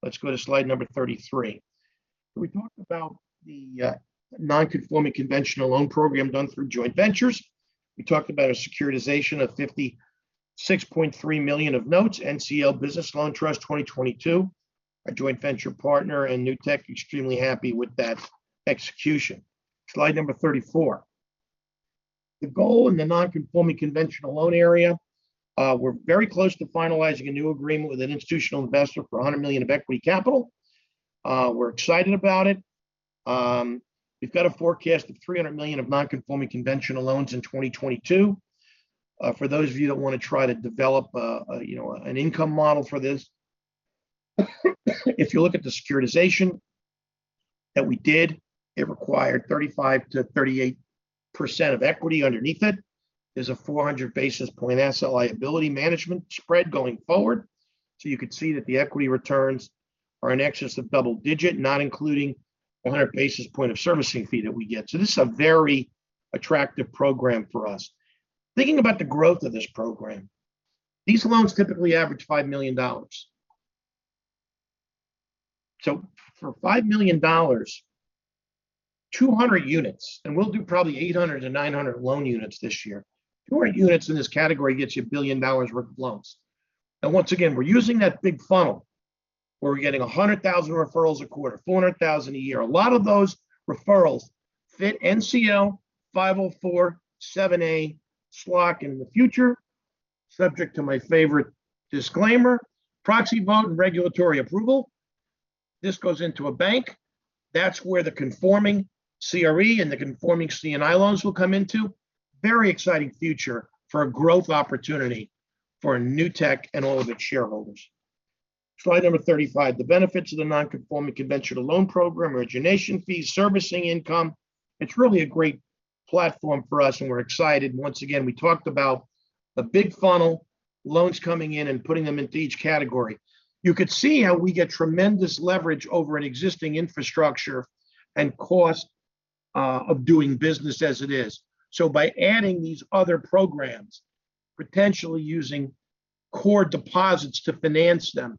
Let's go to slide number 33, where we talk about the non-conforming conventional loan program done through joint ventures. We talked about a securitization of $56.3 million of notes, NCL Business Loan Trust 2022. Our joint venture partner and Newtek extremely happy with that execution. Slide number 34. The goal in the non-conforming conventional loan area, we're very close to finalizing a new agreement with an institutional investor for $100 million of equity capital. We're excited about it. We've got a forecast of $300 million of non-conforming conventional loans in 2022. For those of you that wanna try to develop a, you know, an income model for this, if you look at the securitization that we did, it required 35%-38% of equity underneath it. There's a 400 basis point asset liability management spread going forward. You could see that the equity returns are in excess of double-digit, not including 100 basis points of servicing fee that we get. This is a very attractive program for us. Thinking about the growth of this program, these loans typically average $5 million. For $5 million, 200 units, and we'll do probably 800-900 loan units this year. Two hundred units in this category gets you $1 billion worth of loans. Once again, we're using that big funnel where we're getting 100,000 referrals a quarter, 400,000 a year. A lot of those referrals fit NCL, 504, 7(a), SLOC in the future, subject to my favorite disclaimer, proxy vote and regulatory approval. This goes into a bank. That's where the conforming CRE and the conforming C&I loans will come into. Very exciting future for a growth opportunity for Newtek and all of its shareholders. Slide number 35, the benefits of the non-conforming conventional loan program, origination fees, servicing income. It's really a great platform for us, and we're excited. Once again, we talked about the big funnel, loans coming in and putting them into each category. You could see how we get tremendous leverage over an existing infrastructure and cost of doing business as it is. By adding these other programs, potentially using core deposits to finance them,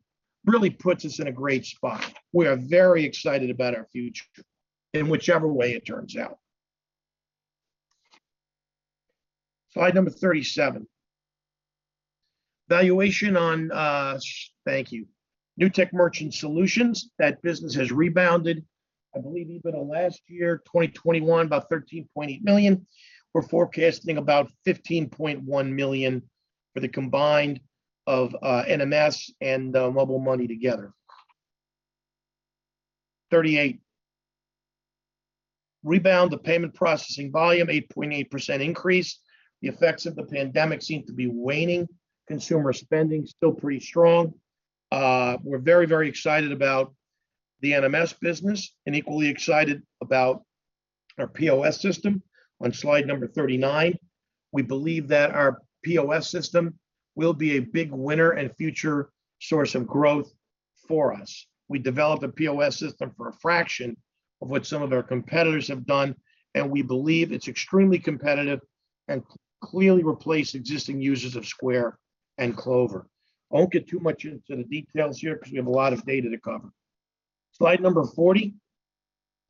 really puts us in a great spot. We are very excited about our future in whichever way it turns out. Slide number 37. Valuation on Newtek Merchant Solutions, that business has rebounded, I believe even on last year, 2021, about $13.8 million. We're forecasting about $15.1 million for the combined of NMS and Mobil Money together. Slide 38. Rebound, the payment processing volume, 8.8% increase. The effects of the pandemic seem to be waning. Consumer spending still pretty strong. We're very, very excited about the NMS business and equally excited about our POS system on slide number 39. We believe that our POS system will be a big winner and future source of growth for us. We developed a POS system for a fraction of what some of our competitors have done, and we believe it's extremely competitive and clearly replace existing users of Square and Clover. I won't get too much into the details here because we have a lot of data to cover. Slide number 40,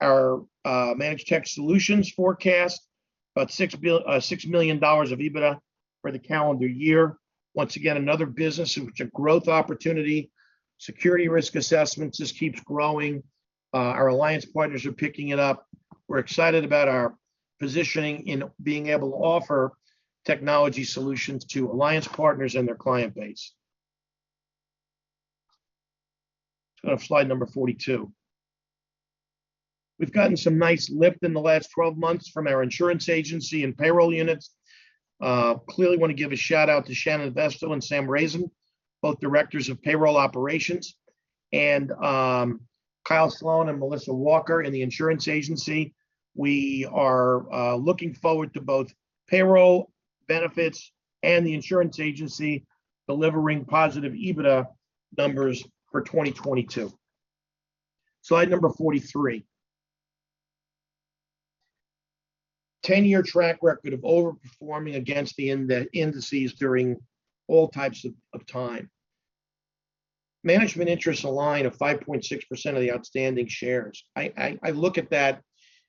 our managed tech solutions forecast about $6 million of EBITDA for the calendar year. Once again, another business in which a growth opportunity. Security risk assessments just keeps growing. Our alliance partners are picking it up. We're excited about our positioning in being able to offer technology solutions to alliance partners and their client base. On slide number 42. We've gotten some nice lift in the last 12 months from our insurance agency and payroll units. Clearly want to give a shout-out to Shannon Vestal and Sam Razon, both directors of payroll operations, and Kyle Sloane and Melissa Walker in the insurance agency. We are looking forward to both payroll benefits and the insurance agency delivering positive EBITDA numbers for 2022. Slide number 43. Ten-year track record of overperforming against the indices during all types of time. Management interests align of 5.6% of the outstanding shares. I look at that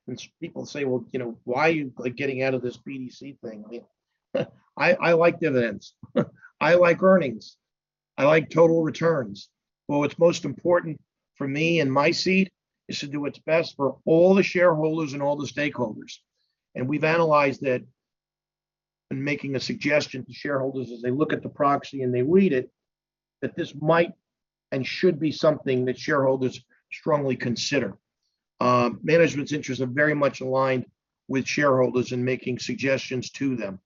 and people say, "Well, you know, why are you, like, getting out of this BDC thing?" I like dividends. I like earnings. I like total returns. What's most important for me and my seat is to do what's best for all the shareholders and all the stakeholders. We've analyzed that in making a suggestion to shareholders as they look at the proxy and they read it, that this might and should be something that shareholders strongly consider. Management's interests are very much aligned with shareholders in making suggestions to them.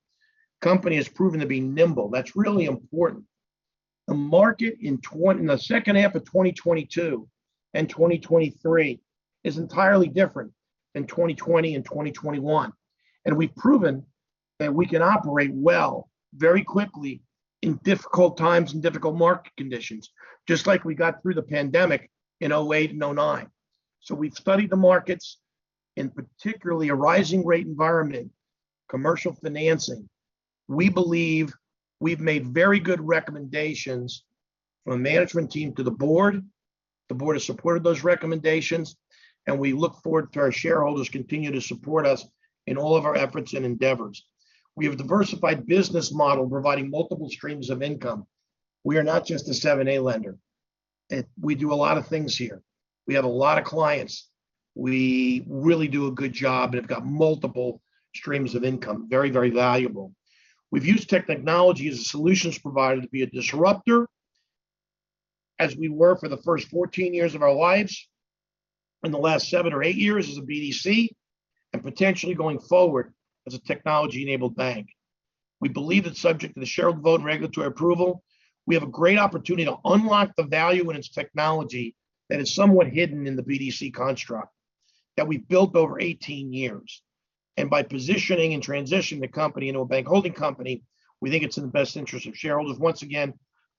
Company has proven to be nimble—that's really important. The market in the second half of 2022 and 2023 is entirely different than 2020 and 2021, and we've proven that we can operate well, very quickly in difficult times and difficult market conditions, just like we got through the pandemic in 2008 and 2009. We've studied the markets, in particular a rising rate environment, commercial financing. We believe we've made very good recommendations from management team to the board. The Board has supported those recommendations, and we look forward to our shareholders continue to support us in all of our efforts and endeavors. We have a diversified business model providing multiple streams of income. We are not just a 7(a) lender. We do a lot of things here. We have a lot of clients. We really do a good job and have got multiple streams of income. Very, very valuable. We've used technology as a solutions provider to be a disruptor, as we were for the first 14 years of our lives, in the last seven or eight years as a BDC, and potentially going forward as a technology-enabled bank. We believe that subject to the shareholder vote and regulatory approval, we have a great opportunity to unlock the value in its technology that is somewhat hidden in the BDC construct that we've built over 18 years. By positioning and transitioning the company into a bank holding company, we think it's in the best interest of shareholders. Once again,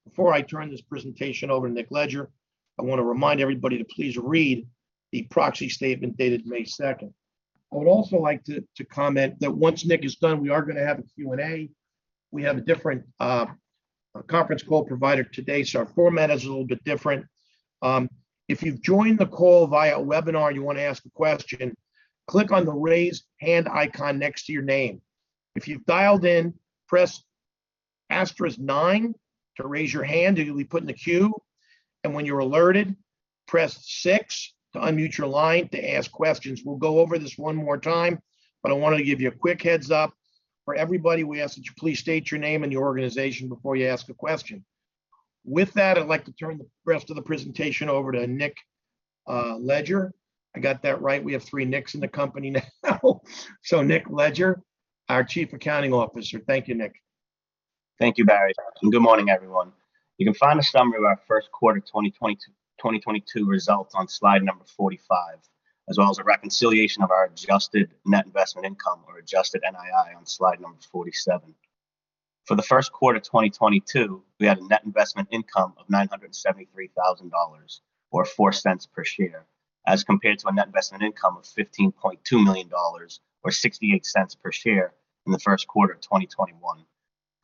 before I turn this presentation over to Nick Leger, I want to remind everybody to please read the proxy statement dated May second. I would also like to comment that once Nick is done, we are gonna have a Q&A. We have a different conference call provider today, so our format is a little bit different. If you've joined the call via webinar and you want to ask a question, click on the "Raise Hand" icon next to your name. If you've dialed in, press asterisk nine to raise your hand, and you'll be put in a queue. When you're alerted, press six to unmute your line to ask questions. We'll go over this one more time, but I wanted to give you a quick heads-up. For everybody, we ask that you please state your name and your organization before you ask a question. With that, I'd like to turn the rest of the presentation over to Nick Leger. I got that right. We have three Nicks in the company now. Nick Leger, our Chief Accounting Officer. Thank you, Nick. Thank you, Barry. Good morning, everyone. You can find a summary of our first quarter 2022 results on slide number 45, as well as a reconciliation of our adjusted net investment income or adjusted NII on slide number 47. For the first quarter of 2022, we had a net investment income of $973,000 or $0.04 per share, as compared to a net investment income of $15.2 million or $0.68 per share in the first quarter of 2021.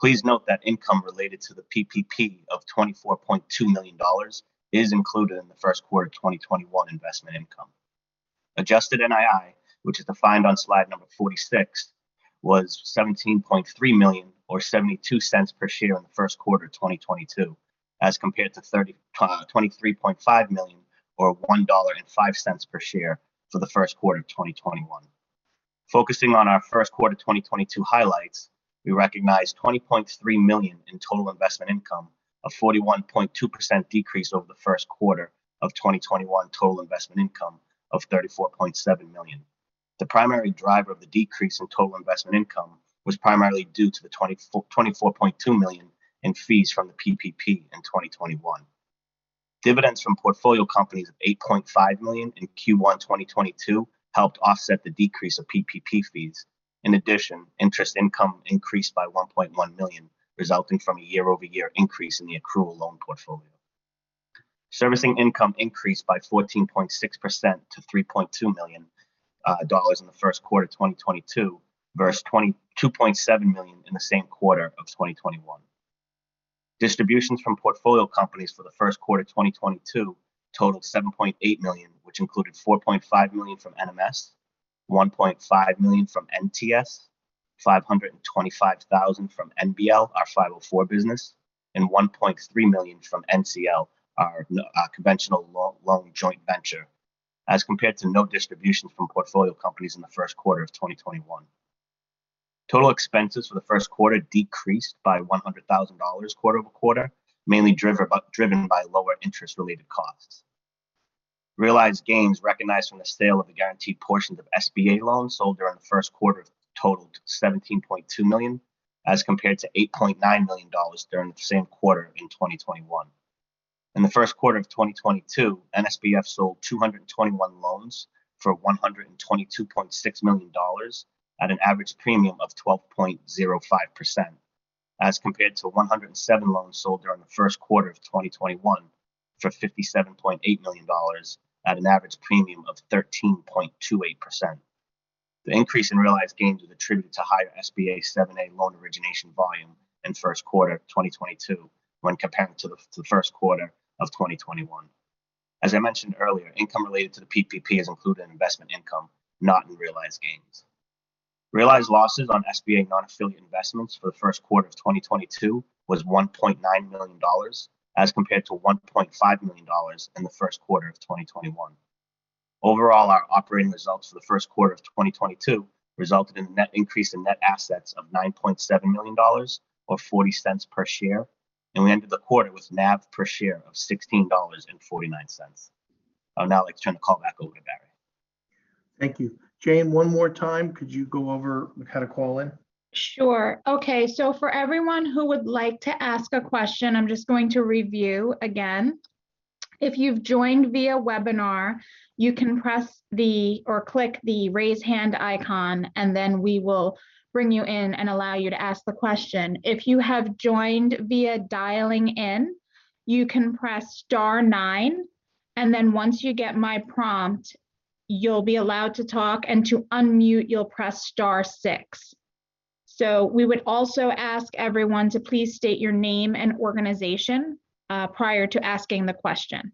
Please note that income related to the PPP of $24.2 million is included in the first quarter of 2021 investment income. Adjusted NII, which is defined on slide number 46, was $17.3 million or $0.72 per share in the first quarter of 2022, as compared to $23.5 million or $1.05 per share for the first quarter of 2021. Focusing on our first quarter 2022 highlights, we recognized $20.3 million in total investment income of 41.2% decrease over the first quarter of 2021 total investment income of $34.7 million. The primary driver of the decrease in total investment income was primarily due to the $24.2 million in fees from the PPP in 2021. Dividends from portfolio companies of $8.5 million in Q1 2022 helped offset the decrease of PPP fees. In addition, interest income increased by $1.1 million, resulting from a year-over-year increase in the accrual loan portfolio. Servicing income increased by 14.6% to $3.2 million dollars in the first quarter of 2022 versus $22.7 million in the same quarter of 2021. Distributions from portfolio companies for the first quarter of 2022 totaled $7.8 million, which included $4.5 million from NMS, $1.5 million from NTS, $525,000 from NBL, our 504 business, and $1.3 million from NCL, our conventional loan joint venture, as compared to no distributions from portfolio companies in the first quarter of 2021. Total expenses for the first quarter decreased by $100,000 quarter-over-quarter, mainly driven by lower interest-related costs. Realized gains recognized from the sale of the guaranteed portions of SBA loans sold during the first quarter totaled $17.2 million, as compared to $8.9 million during the same quarter in 2021. In the first quarter of 2022, NSBF sold 221 loans for $122.6 million at an average premium of 12.05%, as compared to 107 loans sold during the first quarter of 2021 for $57.8 million at an average premium of 13.28%. The increase in realized gains was attributed to higher SBA 7(a) loan origination volume in first quarter of 2022 when compared to the first quarter of 2021. As I mentioned earlier, income related to the PPP is included in investment income, not in realized gains. Realized losses on SBA non-affiliate investments for the first quarter of 2022 was $1.9 million, as compared to $1.5 million in the first quarter of 2021. Overall, our operating results for the first quarter of 2022 resulted in a net increase in net assets of $9.7 million or $0.40 per share, and we ended the quarter with NAV per share of $16.49. I'll now turn the call back over to Barry. Thank you. Jayne, one more time, could you go over how to call in? Sure. Okay. For everyone who would like to ask a question, I'm just going to review again. If you've joined via webinar, you can press the or click the "Raise Hand" icon, and then we will bring you in and allow you to ask the question. If you have joined via dialing in, you can press star nine, and then once you get my prompt, you'll be allowed to talk. To unmute, you'll press star six. We would also ask everyone to please state your name and organization prior to asking the question.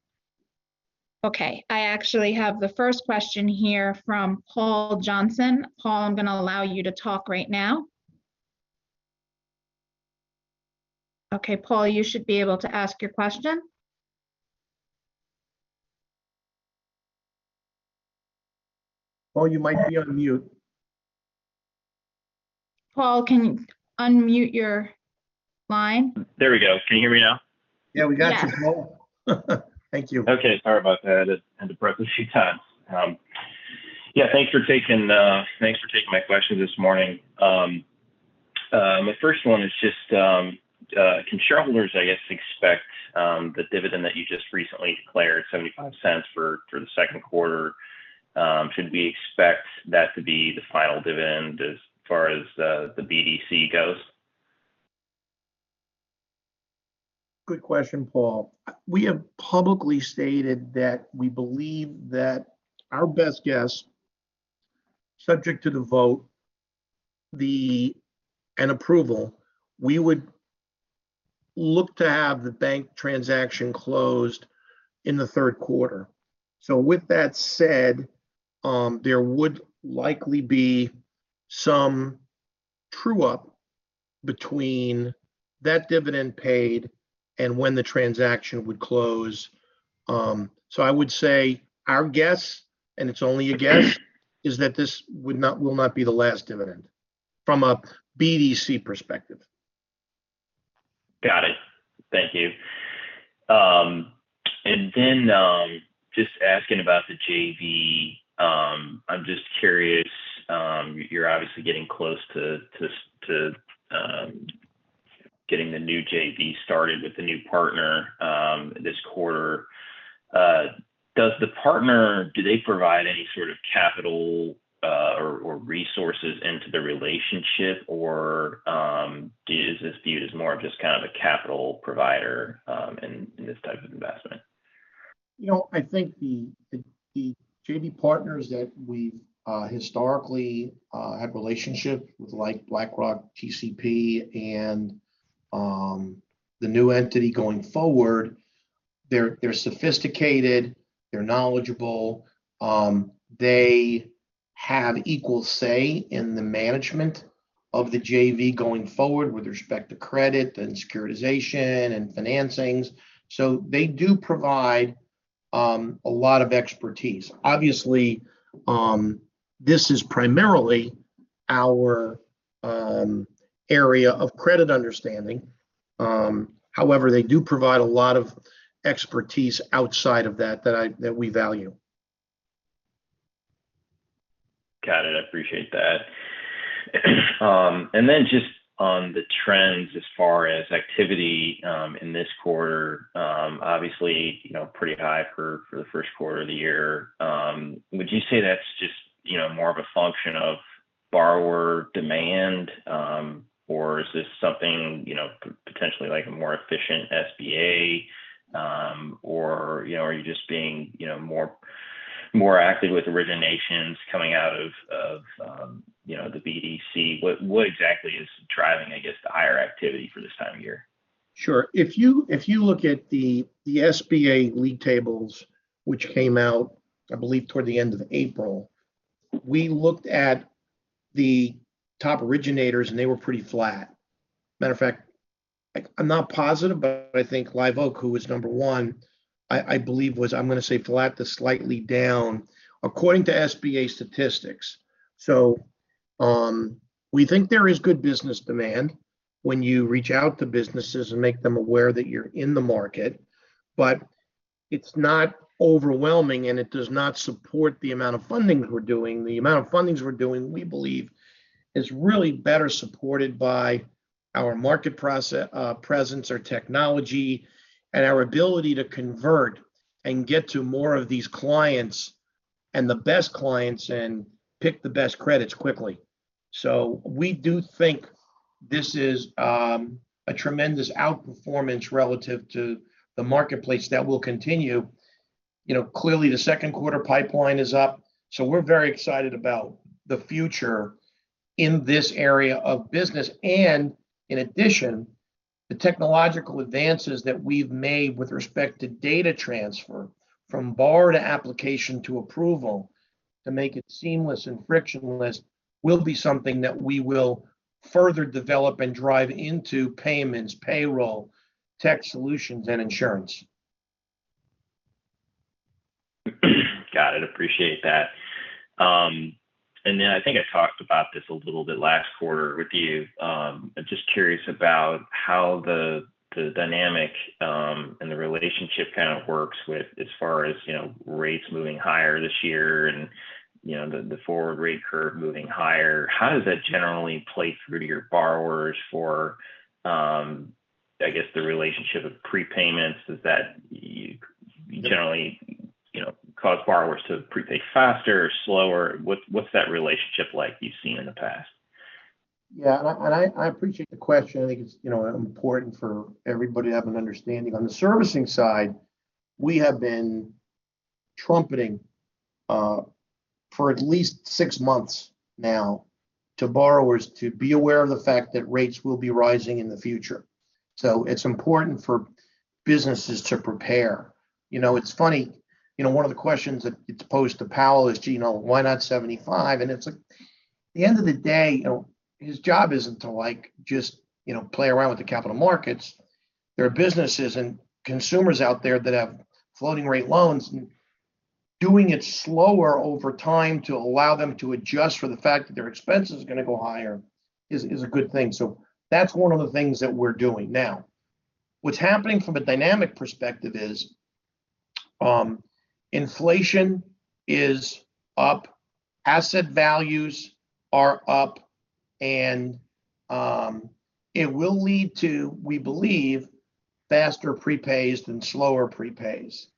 Okay. I actually have the first question here from Paul Johnson. Paul, I'm gonna allow you to talk right now. Okay, Paul, you should be able to ask your question. Paul, you might be on mute. Paul, can you unmute your line? There we go. Can you hear me now? Yeah, we got you, Paul. Thank you. Okay. Sorry about that. It had to break a few times. Yeah, thanks for taking my question this morning. My first one is just, can shareholders, I guess, expect the dividend that you just recently declared, $0.75 for the second quarter, should we expect that to be the final dividend as far as the BDC goes? Good question, Paul. We have publicly stated that we believe that our best guess, subject to the vote and approval, we would look to have the bank transaction closed in the third quarter. With that said, there would likely be some true-up between that dividend paid and when the transaction would close. I would say our guess, and it's only a guess, is that this will not be the last dividend from a BDC perspective. Got it. Thank you. Just asking about the JV, I'm just curious, you're obviously getting close to getting the new JV started with the new partner, this quarter. Does the partner, do they provide any sort of capital, or resources into the relationship, or is this viewed as more of just kind of a capital provider, in this type of investment? You know, I think the JV partners that we've historically had relationship with, like BlackRock TCP and the new entity going forward, they're sophisticated, they're knowledgeable, they have equal say in the management of the JV going forward with respect to credit and securitization and financings. They do provide a lot of expertise. Obviously, this is primarily our area of credit understanding. However, they do provide a lot of expertise outside of that we value. Got it. I appreciate that. Just on the trends as far as activity in this quarter, obviously, you know, pretty high for the first quarter of the year. Would you say that's just, you know, more of a function of borrower demand, or is this something, you know, potentially like a more efficient SBA, or, you know, are you just being, you know, more active with originations coming out of the BDC? What exactly is driving, I guess, the higher activity for this time of year? Sure. If you look at the SBA league tables which came out, I believe, toward the end of April, we looked at the top originators, and they were pretty flat. Matter of fact, I'm not positive, but I think Live Oak Bank, who was number one, I believe was, I'm gonna say flat to slightly down according to SBA statistics. We think there is good business demand when you reach out to businesses and make them aware that you're in the market. It's not overwhelming, and it does not support the amount of funding we're doing. The amount of fundings we're doing, we believe, is really better supported by our market presence, our technology, and our ability to convert and get to more of these clients and the best clients and pick the best credits quickly. We do think this is a tremendous outperformance relative to the marketplace that will continue. You know, clearly the second quarter pipeline is up, so we're very excited about the future in this area of business. In addition, the technological advances that we've made with respect to data transfer from SBA to application to approval to make it seamless and frictionless will be something that we will further develop and drive into payments, payroll, tech solutions, and insurance. Got it. Appreciate that. I think I talked about this a little bit last quarter with you. I'm just curious about how the dynamic and the relationship kind of works with as far as, you know, rates moving higher this year and, you know, the forward rate curve moving higher. How does that generally play through to your borrowers for, I guess the relationship of prepayments? Does that generally, you know, cause borrowers to prepay faster or slower? What's that relationship like you've seen in the past? Yeah, I appreciate the question. I think it's, you know, important for everybody to have an understanding. On the servicing side, we have been trumpeting for at least six months now to borrowers to be aware of the fact that rates will be rising in the future. It's important for businesses to prepare. You know, it's funny, you know, one of the questions that gets posed to Powell is, you know, why not 75? It's like, at the end of the day, you know, his job isn't to, like, just, you know, play around with the capital markets. There are businesses and consumers out there that have floating rate loans, and doing it slower over time to allow them to adjust for the fact that their expense is gonna go higher is a good thing. That's one of the things that we're doing. Now, what's happening from a dynamic perspective is, inflation is up, asset values are up, and, it will lead to, we believe, faster prepays than slower prepays,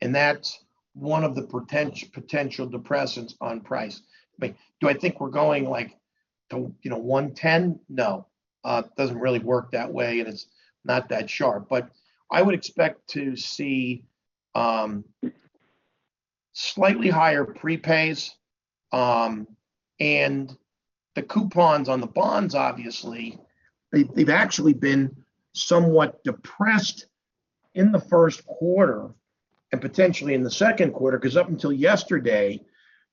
and that's one of the potential depressants on price. I mean, do I think we're going, like, to, you know, 110? No. It doesn't really work that way, and it's not that sharp. But I would expect to see, slightly higher prepays, and the coupons on the bonds, obviously, they've actually been somewhat depressed in the first quarter and potentially in the second quarter 'cause up until yesterday,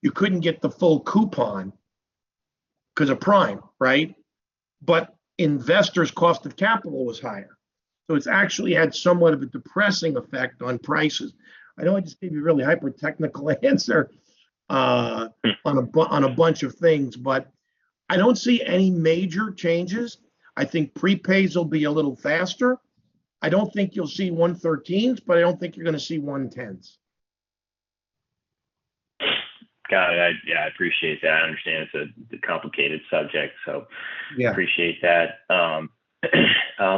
you couldn't get the full coupon 'cause of prime, right? But investors' cost of capital was higher, so it's actually had somewhat of a depressing effect on prices. I know I just gave you a really hyper-technical answer on a bunch of things, but I don't see any major changes. I think prepays will be a little faster. I don't think you'll see 113s, but I don't think you're gonna see 110s. Got it. Yeah, I appreciate that. I understand it's the complicated subject, so, appreciate that.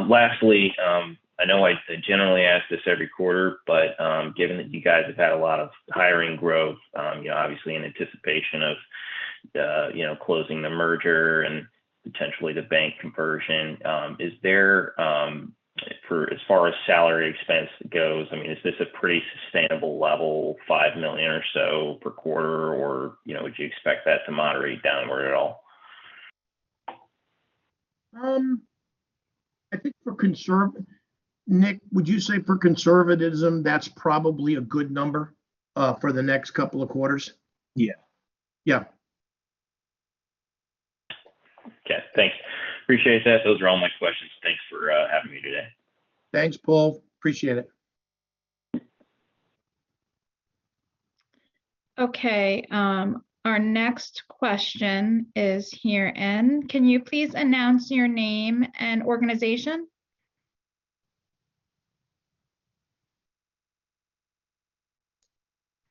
Lastly, I know I generally ask this every quarter, but given that you guys have had a lot of hiring growth, you know, obviously in anticipation of you know closing the merger and potentially the bank conversion, is there for as far as salary expense goes, I mean, is this a pretty sustainable level, $5 million or so per quarter? Or you know would you expect that to moderate downward at all? I think, Nick, would you say for conservatism, that's probably a good number for the next couple of quarters? Yeah. Yeah. Okay. Thanks. Appreciate that. Those are all my questions. Thanks for having me today. Thanks, Paul. Appreciate it. Okay, our next question is here in. Can you please announce your name and organization?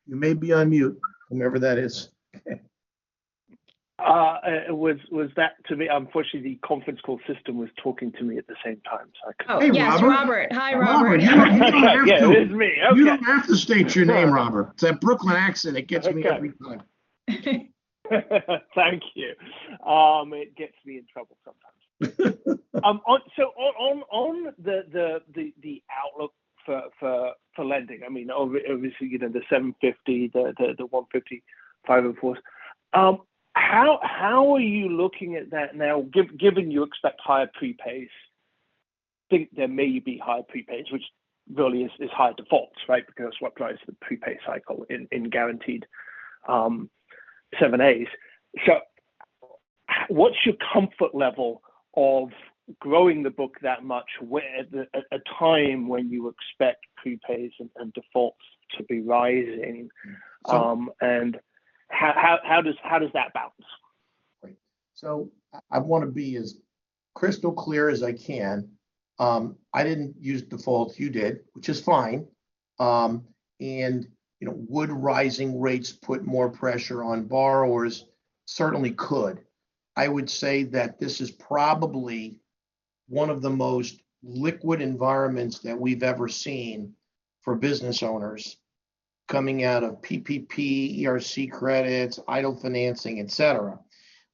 You may be on mute, whomever that is. Was that to me? Unfortunately, the conference call system was talking to me at the same time, so I couldn't. Hey, Robert. Yes, Robert. Hi, Robert. Robert, you don't have to. Yeah. It is me. Okay. You don't have to state your name, Robert. It's that Brooklyn accent, it gets me every time. Okay. Thank you. It gets me in trouble sometimes. On the outlook for lending, I mean, obviously, you know, the 750s, the 150s, how are you looking at that now given you expect higher prepays? I think there may be higher prepays, which really is higher defaults, right? Because that's what drives the prepay cycle in guaranteed 7(a)s. What's your comfort level of growing the book that much at a time when you expect prepays and defaults to be rising? How does that balance? Right. I wanna be as crystal clear as I can. I didn't use defaults, you did, which is fine. you know, would rising rates put more pressure on borrowers? Certainly could. I would say that this is probably one of the most liquid environments that we've ever seen for business owners coming out of PPP, ERC credits, EIDL financing, et cetera.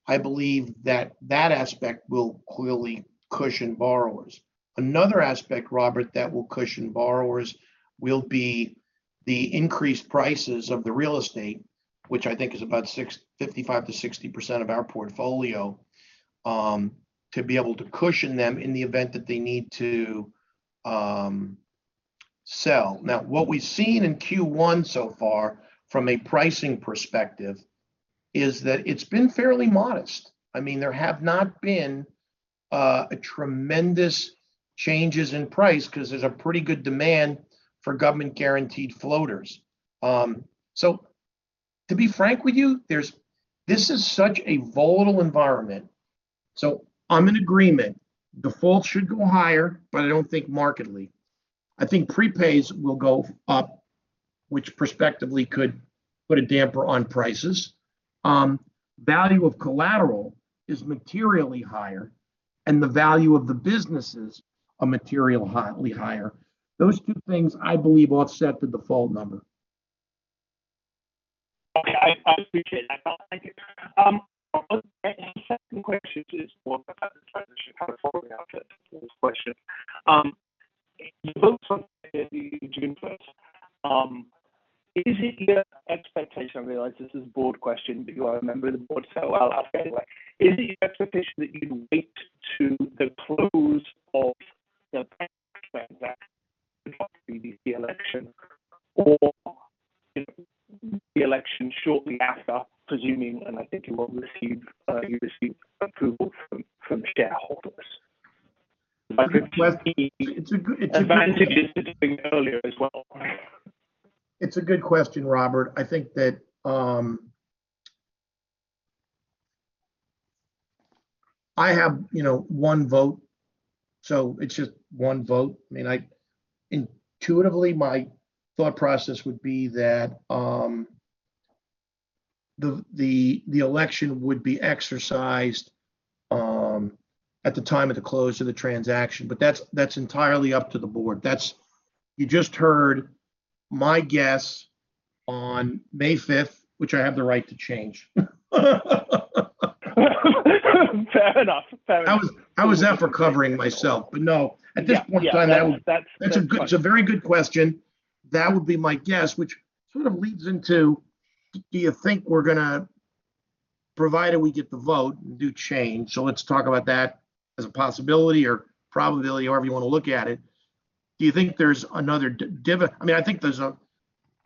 I believe that that aspect will clearly cushion borrowers. Another aspect, Robert, that will cushion borrowers will be the increased prices of the real estate, which I think is about 55%-60% of our portfolio, to be able to cushion them in the event that they need to sell. Now, what we've seen in Q1 so far from a pricing perspective is that it's been fairly modest. I mean, there have not been a tremendous changes in price 'cause there's a pretty good demand for government-guaranteed floaters. To be frank with you, this is such a volatile environment. I'm in agreement, defaults should go higher, but I don't think markedly. I think prepays will go up, which prospectively could put a damper on prices. Value of collateral is materially higher, and the value of the businesses are materially higher. Those two things, I believe, offset the default number. Okay. I appreciate it. I felt like it. Okay, the second question is, well, kind of tied. I should probably form it up as two questions. You vote on May 31st. Is it your expectation—I realize this is a board question, but you are a member of the board, so I'll ask anyway. Is it your expectation that you'd wait to the close of the transaction before the BDC election, or the election shortly after presuming, and I think you will receive approval from shareholders? It's a good question. Advantages to doing it earlier as well. It's a good question, Robert. I think that, I have, you know, one vote, so it's just one vote. I mean, intuitively, my thought process would be that, the election would be exercised, at the time of the close of the transaction, but that's entirely up to the Board. That's. You just heard my guess on May 5th, which I have the right to change. Fair enough. Fair enough. How was that for covering myself? Yeah. Yeah. No, at this point in time, that was— That's a good— It's a very good question. That would be my guess, which sort of leads into, do you think we're gonna, provided we get the vote and do change, so let's talk about that as a possibility or probability, however you wanna look at it. Do you think there's another? I mean, I think there's a,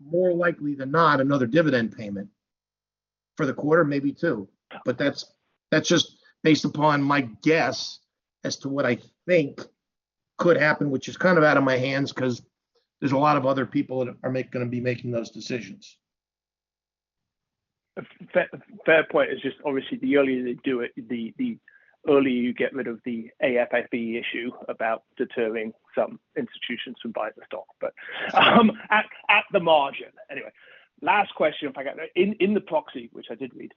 more likely than not, another dividend payment for the quarter, maybe two. Yeah. That's just based upon my guess as to what I think could happen, which is kind of out of my hands 'cause there's a lot of other people that are gonna be making those decisions. Fair point. It's just obviously the earlier they do it, the earlier you get rid of the AFFE issue about deterring some institutions from buying the stock, but at the margin. Anyway, last question. In the proxy, which I did read,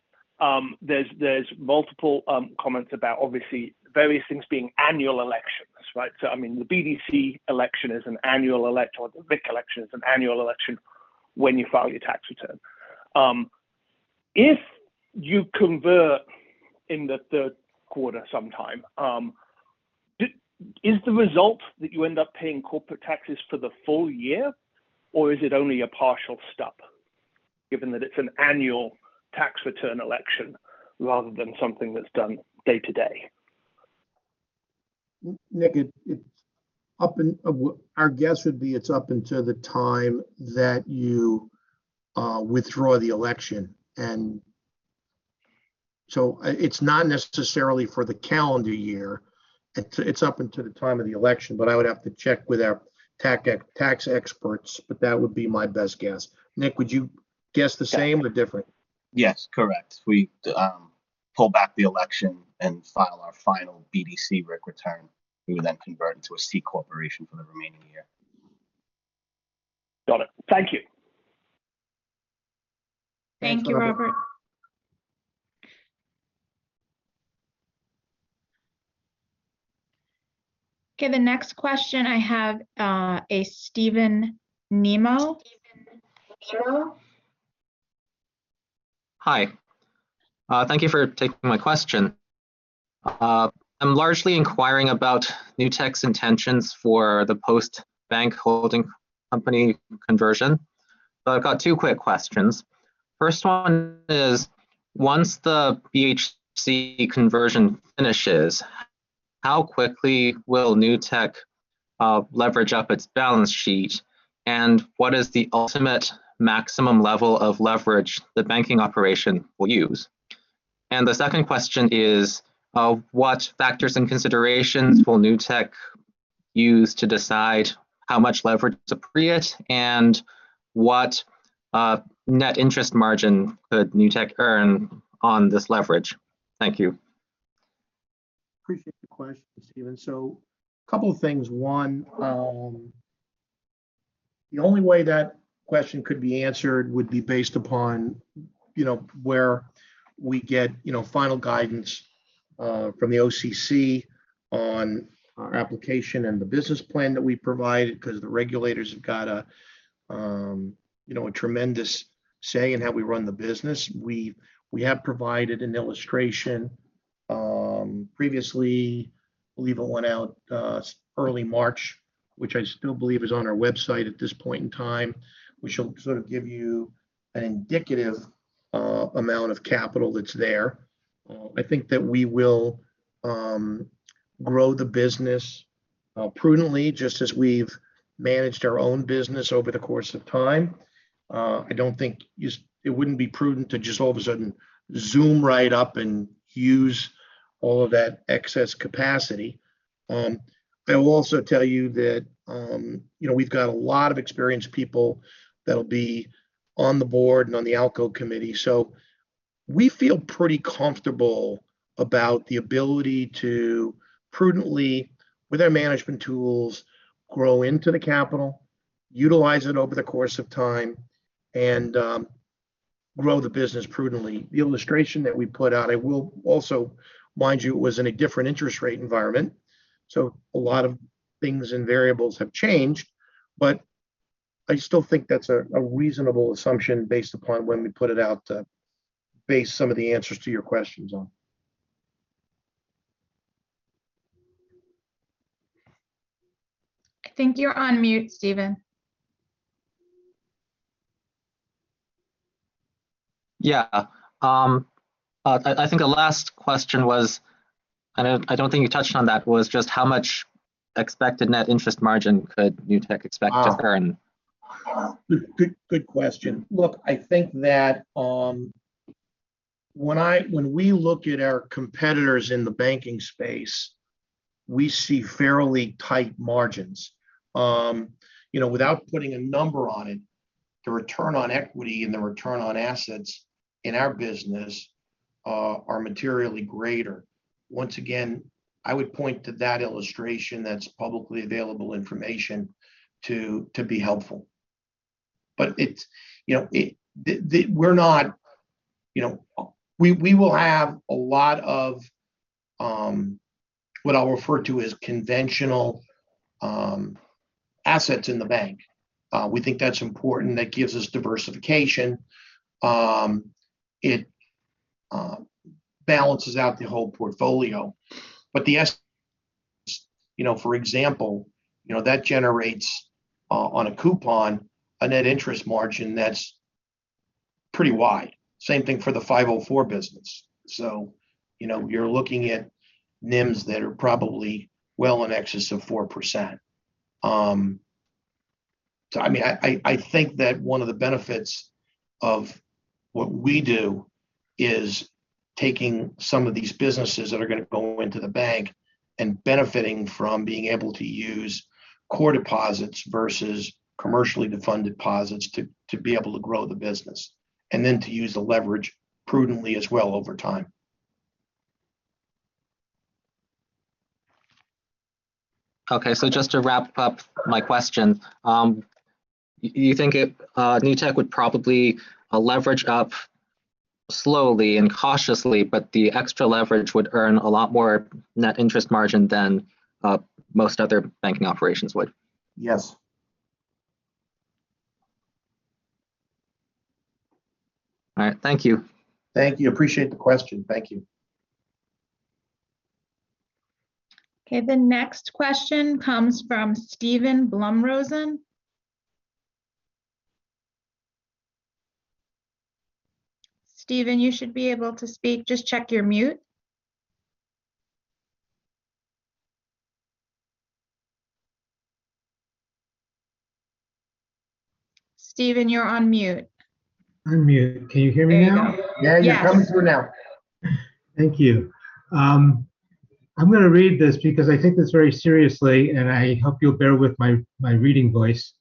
there's multiple comments about obviously various things being annual elections, right? I mean, the BDC election is an annual election, or the RIC election is an annual election when you file your tax return. If you convert in the third quarter sometime, is the result that you end up paying corporate taxes for the full year, or is it only a partial stub, given that it's an annual tax return election rather than something that's done day to day? Nick, it's up until the time that you withdraw the election. It's not necessarily for the calendar year. It's up until the time of the election. But I would have to check with our tax experts, but that would be my best guess. Nick, would you guess the same or different? Yes. Correct. We pull back the election and file our final BDC RIC return. We would then convert into a C Corporation for the remaining year. Got it. Thank you. Thank you, Robert. Okay. The next question I have, a Stephen Nemo. Hi. Thank you for taking my question. I'm largely inquiring about Newtek's intentions for the post bank holding company conversion, but I've got two quick questions. First one is once the BHC conversion finishes, how quickly will Newtek leverage up its balance sheet, and what is the ultimate maximum level of leverage the banking operation will use? The second question is, what factors and considerations will Newtek use to decide how much leverage to create, and what net interest margin could Newtek earn on this leverage? Thank you. Appreciate the question, Stephen. Couple of things. One, the only way that question could be answered would be based upon, you know, where we get, you know, final guidance from the OCC on our application and the business plan that we provided because the regulators have got a, you know, a tremendous say in how we run the business. We have provided an illustration previously. Believe it went out early March, which I still believe is on our website at this point in time, which will sort of give you an indicative amount of capital that's there. I think that we will grow the business prudently, just as we've managed our own business over the course of time. I don't think it wouldn't be prudent to just all of a sudden zoom right up and use all of that excess capacity. I will also tell you that, you know, we've got a lot of experienced people that'll be on the board and on the ALCO committee. We feel pretty comfortable about the ability to prudently, with our management tools, grow into the capital, utilize it over the course of time and grow the business prudently. The illustration that we put out, it will also, mind you, it was in a different interest rate environment, so a lot of things and variables have changed. I still think that's a reasonable assumption based upon when we put it out to base some of the answers to your questions on. I think you're on mute, Stephen. I think the last question was, and I don't think you touched on that, was just how much expected net interest margin could Newtek expect to earn? Good question. Look, I think that when we look at our competitors in the banking space, we see fairly tight margins. You know, without putting a number on it, the return on equity and the return on assets in our business are materially greater. Once again, I would point to that illustration that's publicly available information to be helpful. But it's, you know, we're not, you know—we will have a lot of what I'll refer to as conventional assets in the bank; we think that's important. That gives us diversification. It balances out the whole portfolio. But the SBA, you know, for example, you know, that generates on a coupon a net interest margin that's pretty wide—same thing for the 504 business. You know, you're looking at NIMs that are probably well in excess of 4%. I mean, I think that one of the benefits of what we do is taking some of these businesses that are gonna go into the bank and benefiting from being able to use core deposits versus commercially to fund deposits to be able to grow the business, and then to use the leverage prudently as well over time. Okay, just to wrap up my question. You think it, Newtek would probably leverage up slowly and cautiously, but the extra leverage would earn a lot more net interest margin than most other banking operations would? Yes. All right. Thank you. Thank you. Appreciate the question. Thank you. Okay. The next question comes from Steven Blumrosen. Steven, you should be able to speak. Just check your mute. Steven, you're on mute. Unmute. Can you hear me now? There you go. Yeah. Yes. You can hear me now. Thank you. I'm gonna read this because I take this very seriously, and I hope you'll bear with my reading voice.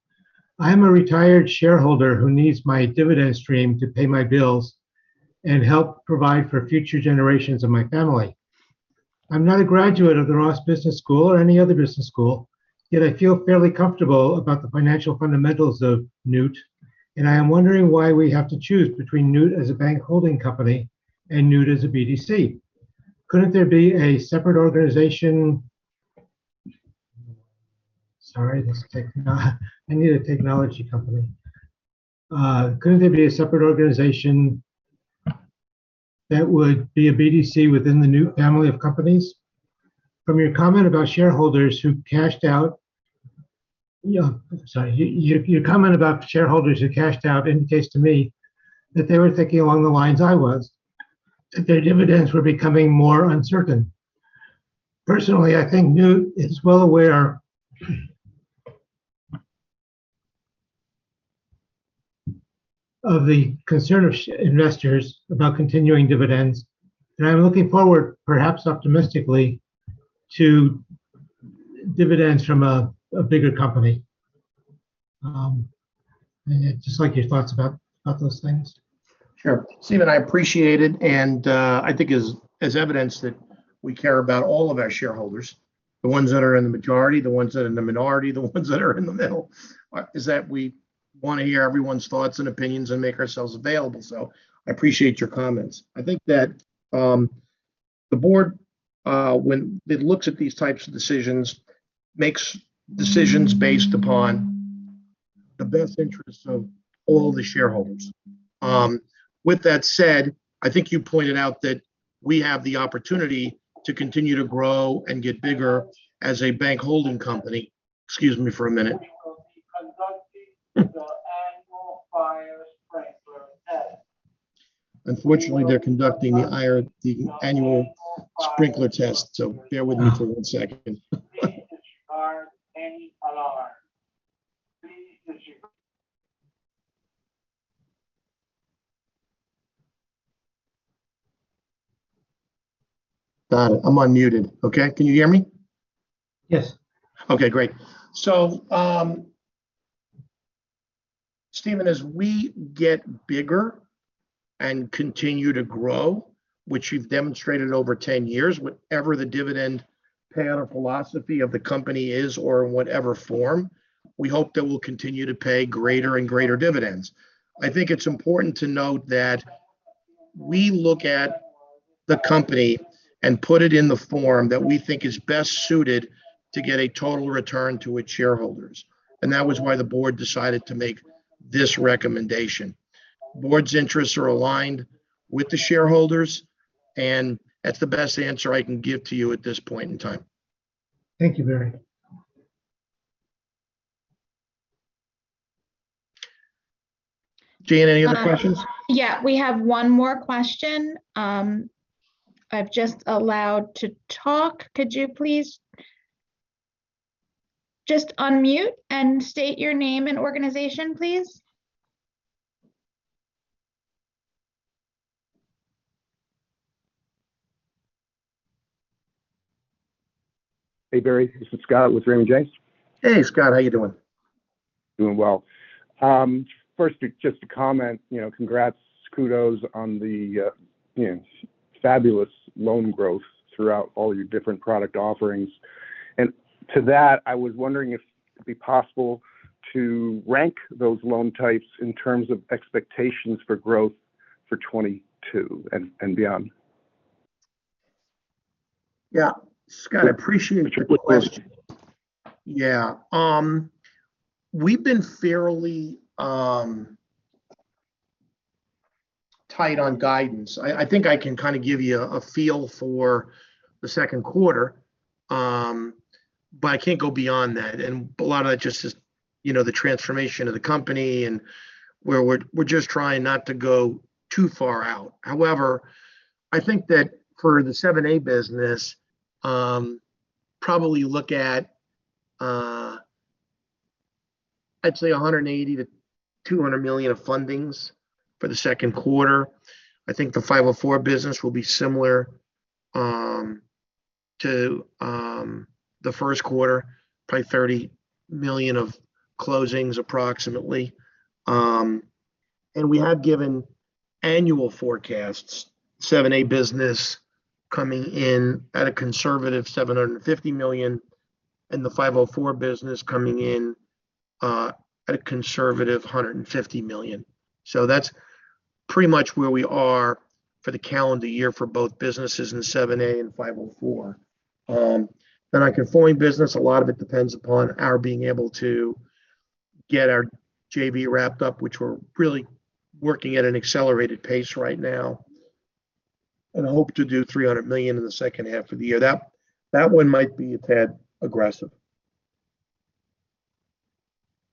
I am a retired shareholder who needs my dividend stream to pay my bills and help provide for future generations of my family. I'm not a graduate of the Stephen M. Ross School of Business or any other business school, yet I feel fairly comfortable about the financial fundamentals of NEWT, and I am wondering why we have to choose between NEWT as a bank holding company and NEWT as a BDC. Couldn't there be a separate organization that would be a BDC within the NEWT family of companies? From your comment about shareholders who cashed out—your comment about shareholders who cashed out indicates to me that they were thinking along the lines I was, that their dividends were becoming more uncertain. Personally, I think NEWT is well aware of the concern of shareholders about continuing dividends, and I'm looking forward, perhaps optimistically, to dividends from a bigger company. I'd just like your thoughts about those things. Sure. Steven, I appreciate it, and I think as evidence that we care about all of our shareholders, the ones that are in the majority, the ones that are in the minority, the ones that are in the middle, is that we wanna hear everyone's thoughts and opinions and make ourselves available. I appreciate your comments. I think that the Board, when it looks at these types of decisions, makes decisions based upon the best interests of all the shareholders. With that said, I think you pointed out that we have the opportunity to continue to grow and get bigger as a bank holding company. Excuse me for a minute. Unfortunately, they're conducting the annual sprinkler test, so bear with me for one second. Got it. I'm unmuted. Okay? Can you hear me? Yes. Okay, great. Steven, as we get bigger and continue to grow, which we've demonstrated over 10 years, whatever the dividend pay out or philosophy of the company is or in whatever form, we hope that we'll continue to pay greater and greater dividends. I think it's important to note that we look at the company and put it in the form that we think is best suited to get a total return to its shareholders, and that was why the Board decided to make this recommendation. The Board's interests are aligned with the shareholders, and that's the best answer I can give to you at this point in time. Thank you, Barry. Jayne, any other questions? Yeah. We have one more question. You've just been allowed to talk. Could you please just unmute and state your name and organization, please? Hey, Barry. This is Scott with Raymond James. Hey, Scott. How you doing? Doing well. First, just to comment, you know, congrats, kudos on the, you know, fabulous loan growth throughout all your different product offerings. To that, I was wondering if it would be possible to rank those loan types in terms of expectations for growth for 2022 and beyond? Yeah. Scott, I appreciate your question. Yeah. We've been fairly tight on guidance. I think I can kind of give you a feel for the second quarter, but I can't go beyond that. A lot of that just is, you know, the transformation of the company and where we're just trying not to go too far out. However, I think that for the 7(a) business, probably look at, I'd say $180 million-$200 million of fundings for the second quarter. I think the 504 business will be similar to the first quarter, probably $30 million of closings approximately. We have given annual forecasts, 7(a) business coming in at a conservative $750 million, and the 504 business coming in at a conservative $150 million. That's pretty much where we are for the calendar year for both businesses in 7(a) and 504. Then our conforming business, a lot of it depends upon our being able to get our JV wrapped up, which we're really working at an accelerated pace right now, and hope to do $300 million in the second half of the year. That one might be a tad aggressive.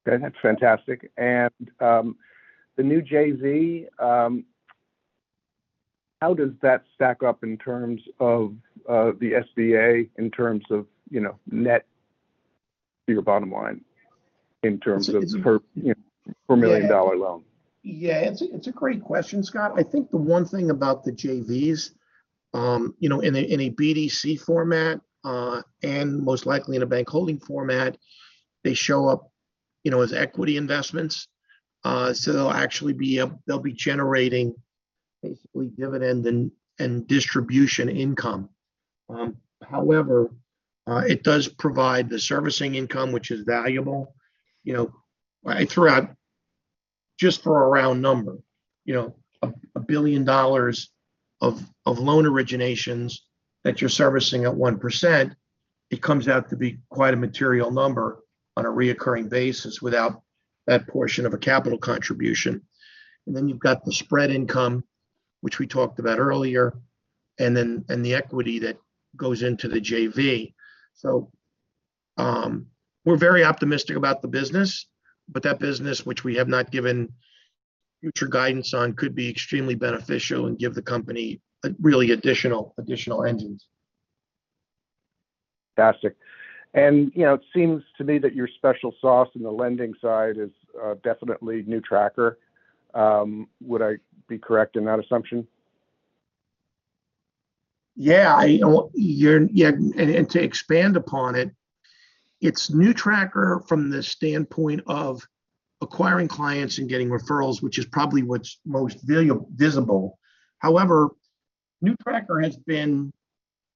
Okay. That's fantastic. The new JV, how does that stack up in terms of the SBA in terms of, you know, net to your bottom line in terms of per, you know, per $1 million loan? Yeah. It's a great question, Scott. I think the one thing about the JVs, you know, in a BDC format, and most likely in a bank holding format, they show up, you know, as equity investments. So they'll actually be generating basically dividend and distribution income. However, it does provide the servicing income, which is valuable. You know, I threw out just for a round number, you know, $1 billion of loan originations that you're servicing at 1%, it comes out to be quite a material number on a recurring basis without that portion of a capital contribution. You've got the spread income, which we talked about earlier, and the equity that goes into the JV. We're very optimistic about the business. That business which we have not given future guidance on could be extremely beneficial and give the company a really additional engines. Fantastic. You know, it seems to me that your special sauce in the lending side is definitely NewTracker. Would I be correct in that assumption? To expand upon it's NewTracker from the standpoint of acquiring clients and getting referrals, which is probably what's most visible. However, NewTracker has been,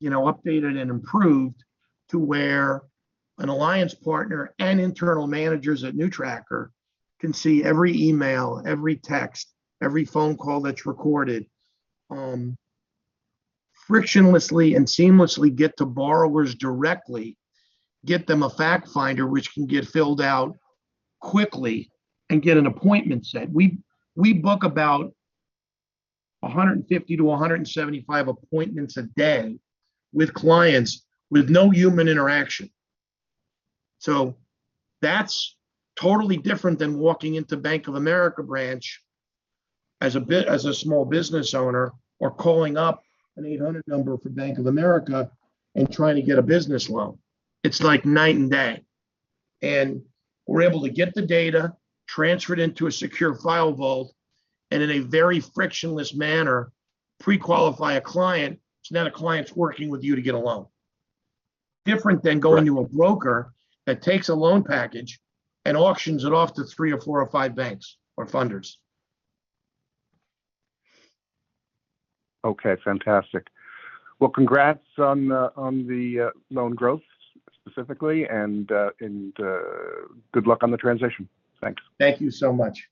you know, updated and improved to where an alliance partner and internal managers at NewTracker can see every email, every text, every phone call that's recorded frictionlessly and seamlessly get to borrowers directly, get them a fact finder which can get filled out quickly and get an appointment set. We book about 150-175 appointments a day with clients with no human interaction. That's totally different than walking into Bank of America branch as a small business owner or calling up an 800 number for Bank of America and trying to get a business loan. It's like night and day. We're able to get the data, transfer it into a secure File Vault, and in a very frictionless manner, pre-qualify a client, so now the client's working with you to get a loan. Different than going to a broker that takes a loan package and auctions it off to three or four or five banks or funders. Okay, fantastic. Well, congrats on the loan growth specifically, and good luck on the transition. Thanks. Thank you so much.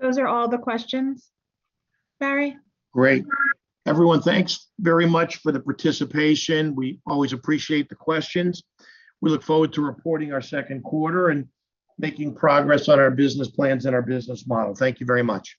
Those are all the questions, Barry. Great. Everyone, thanks very much for the participation. We always appreciate the questions. We look forward to reporting our second quarter and making progress on our business plans and our business model. Thank you very much.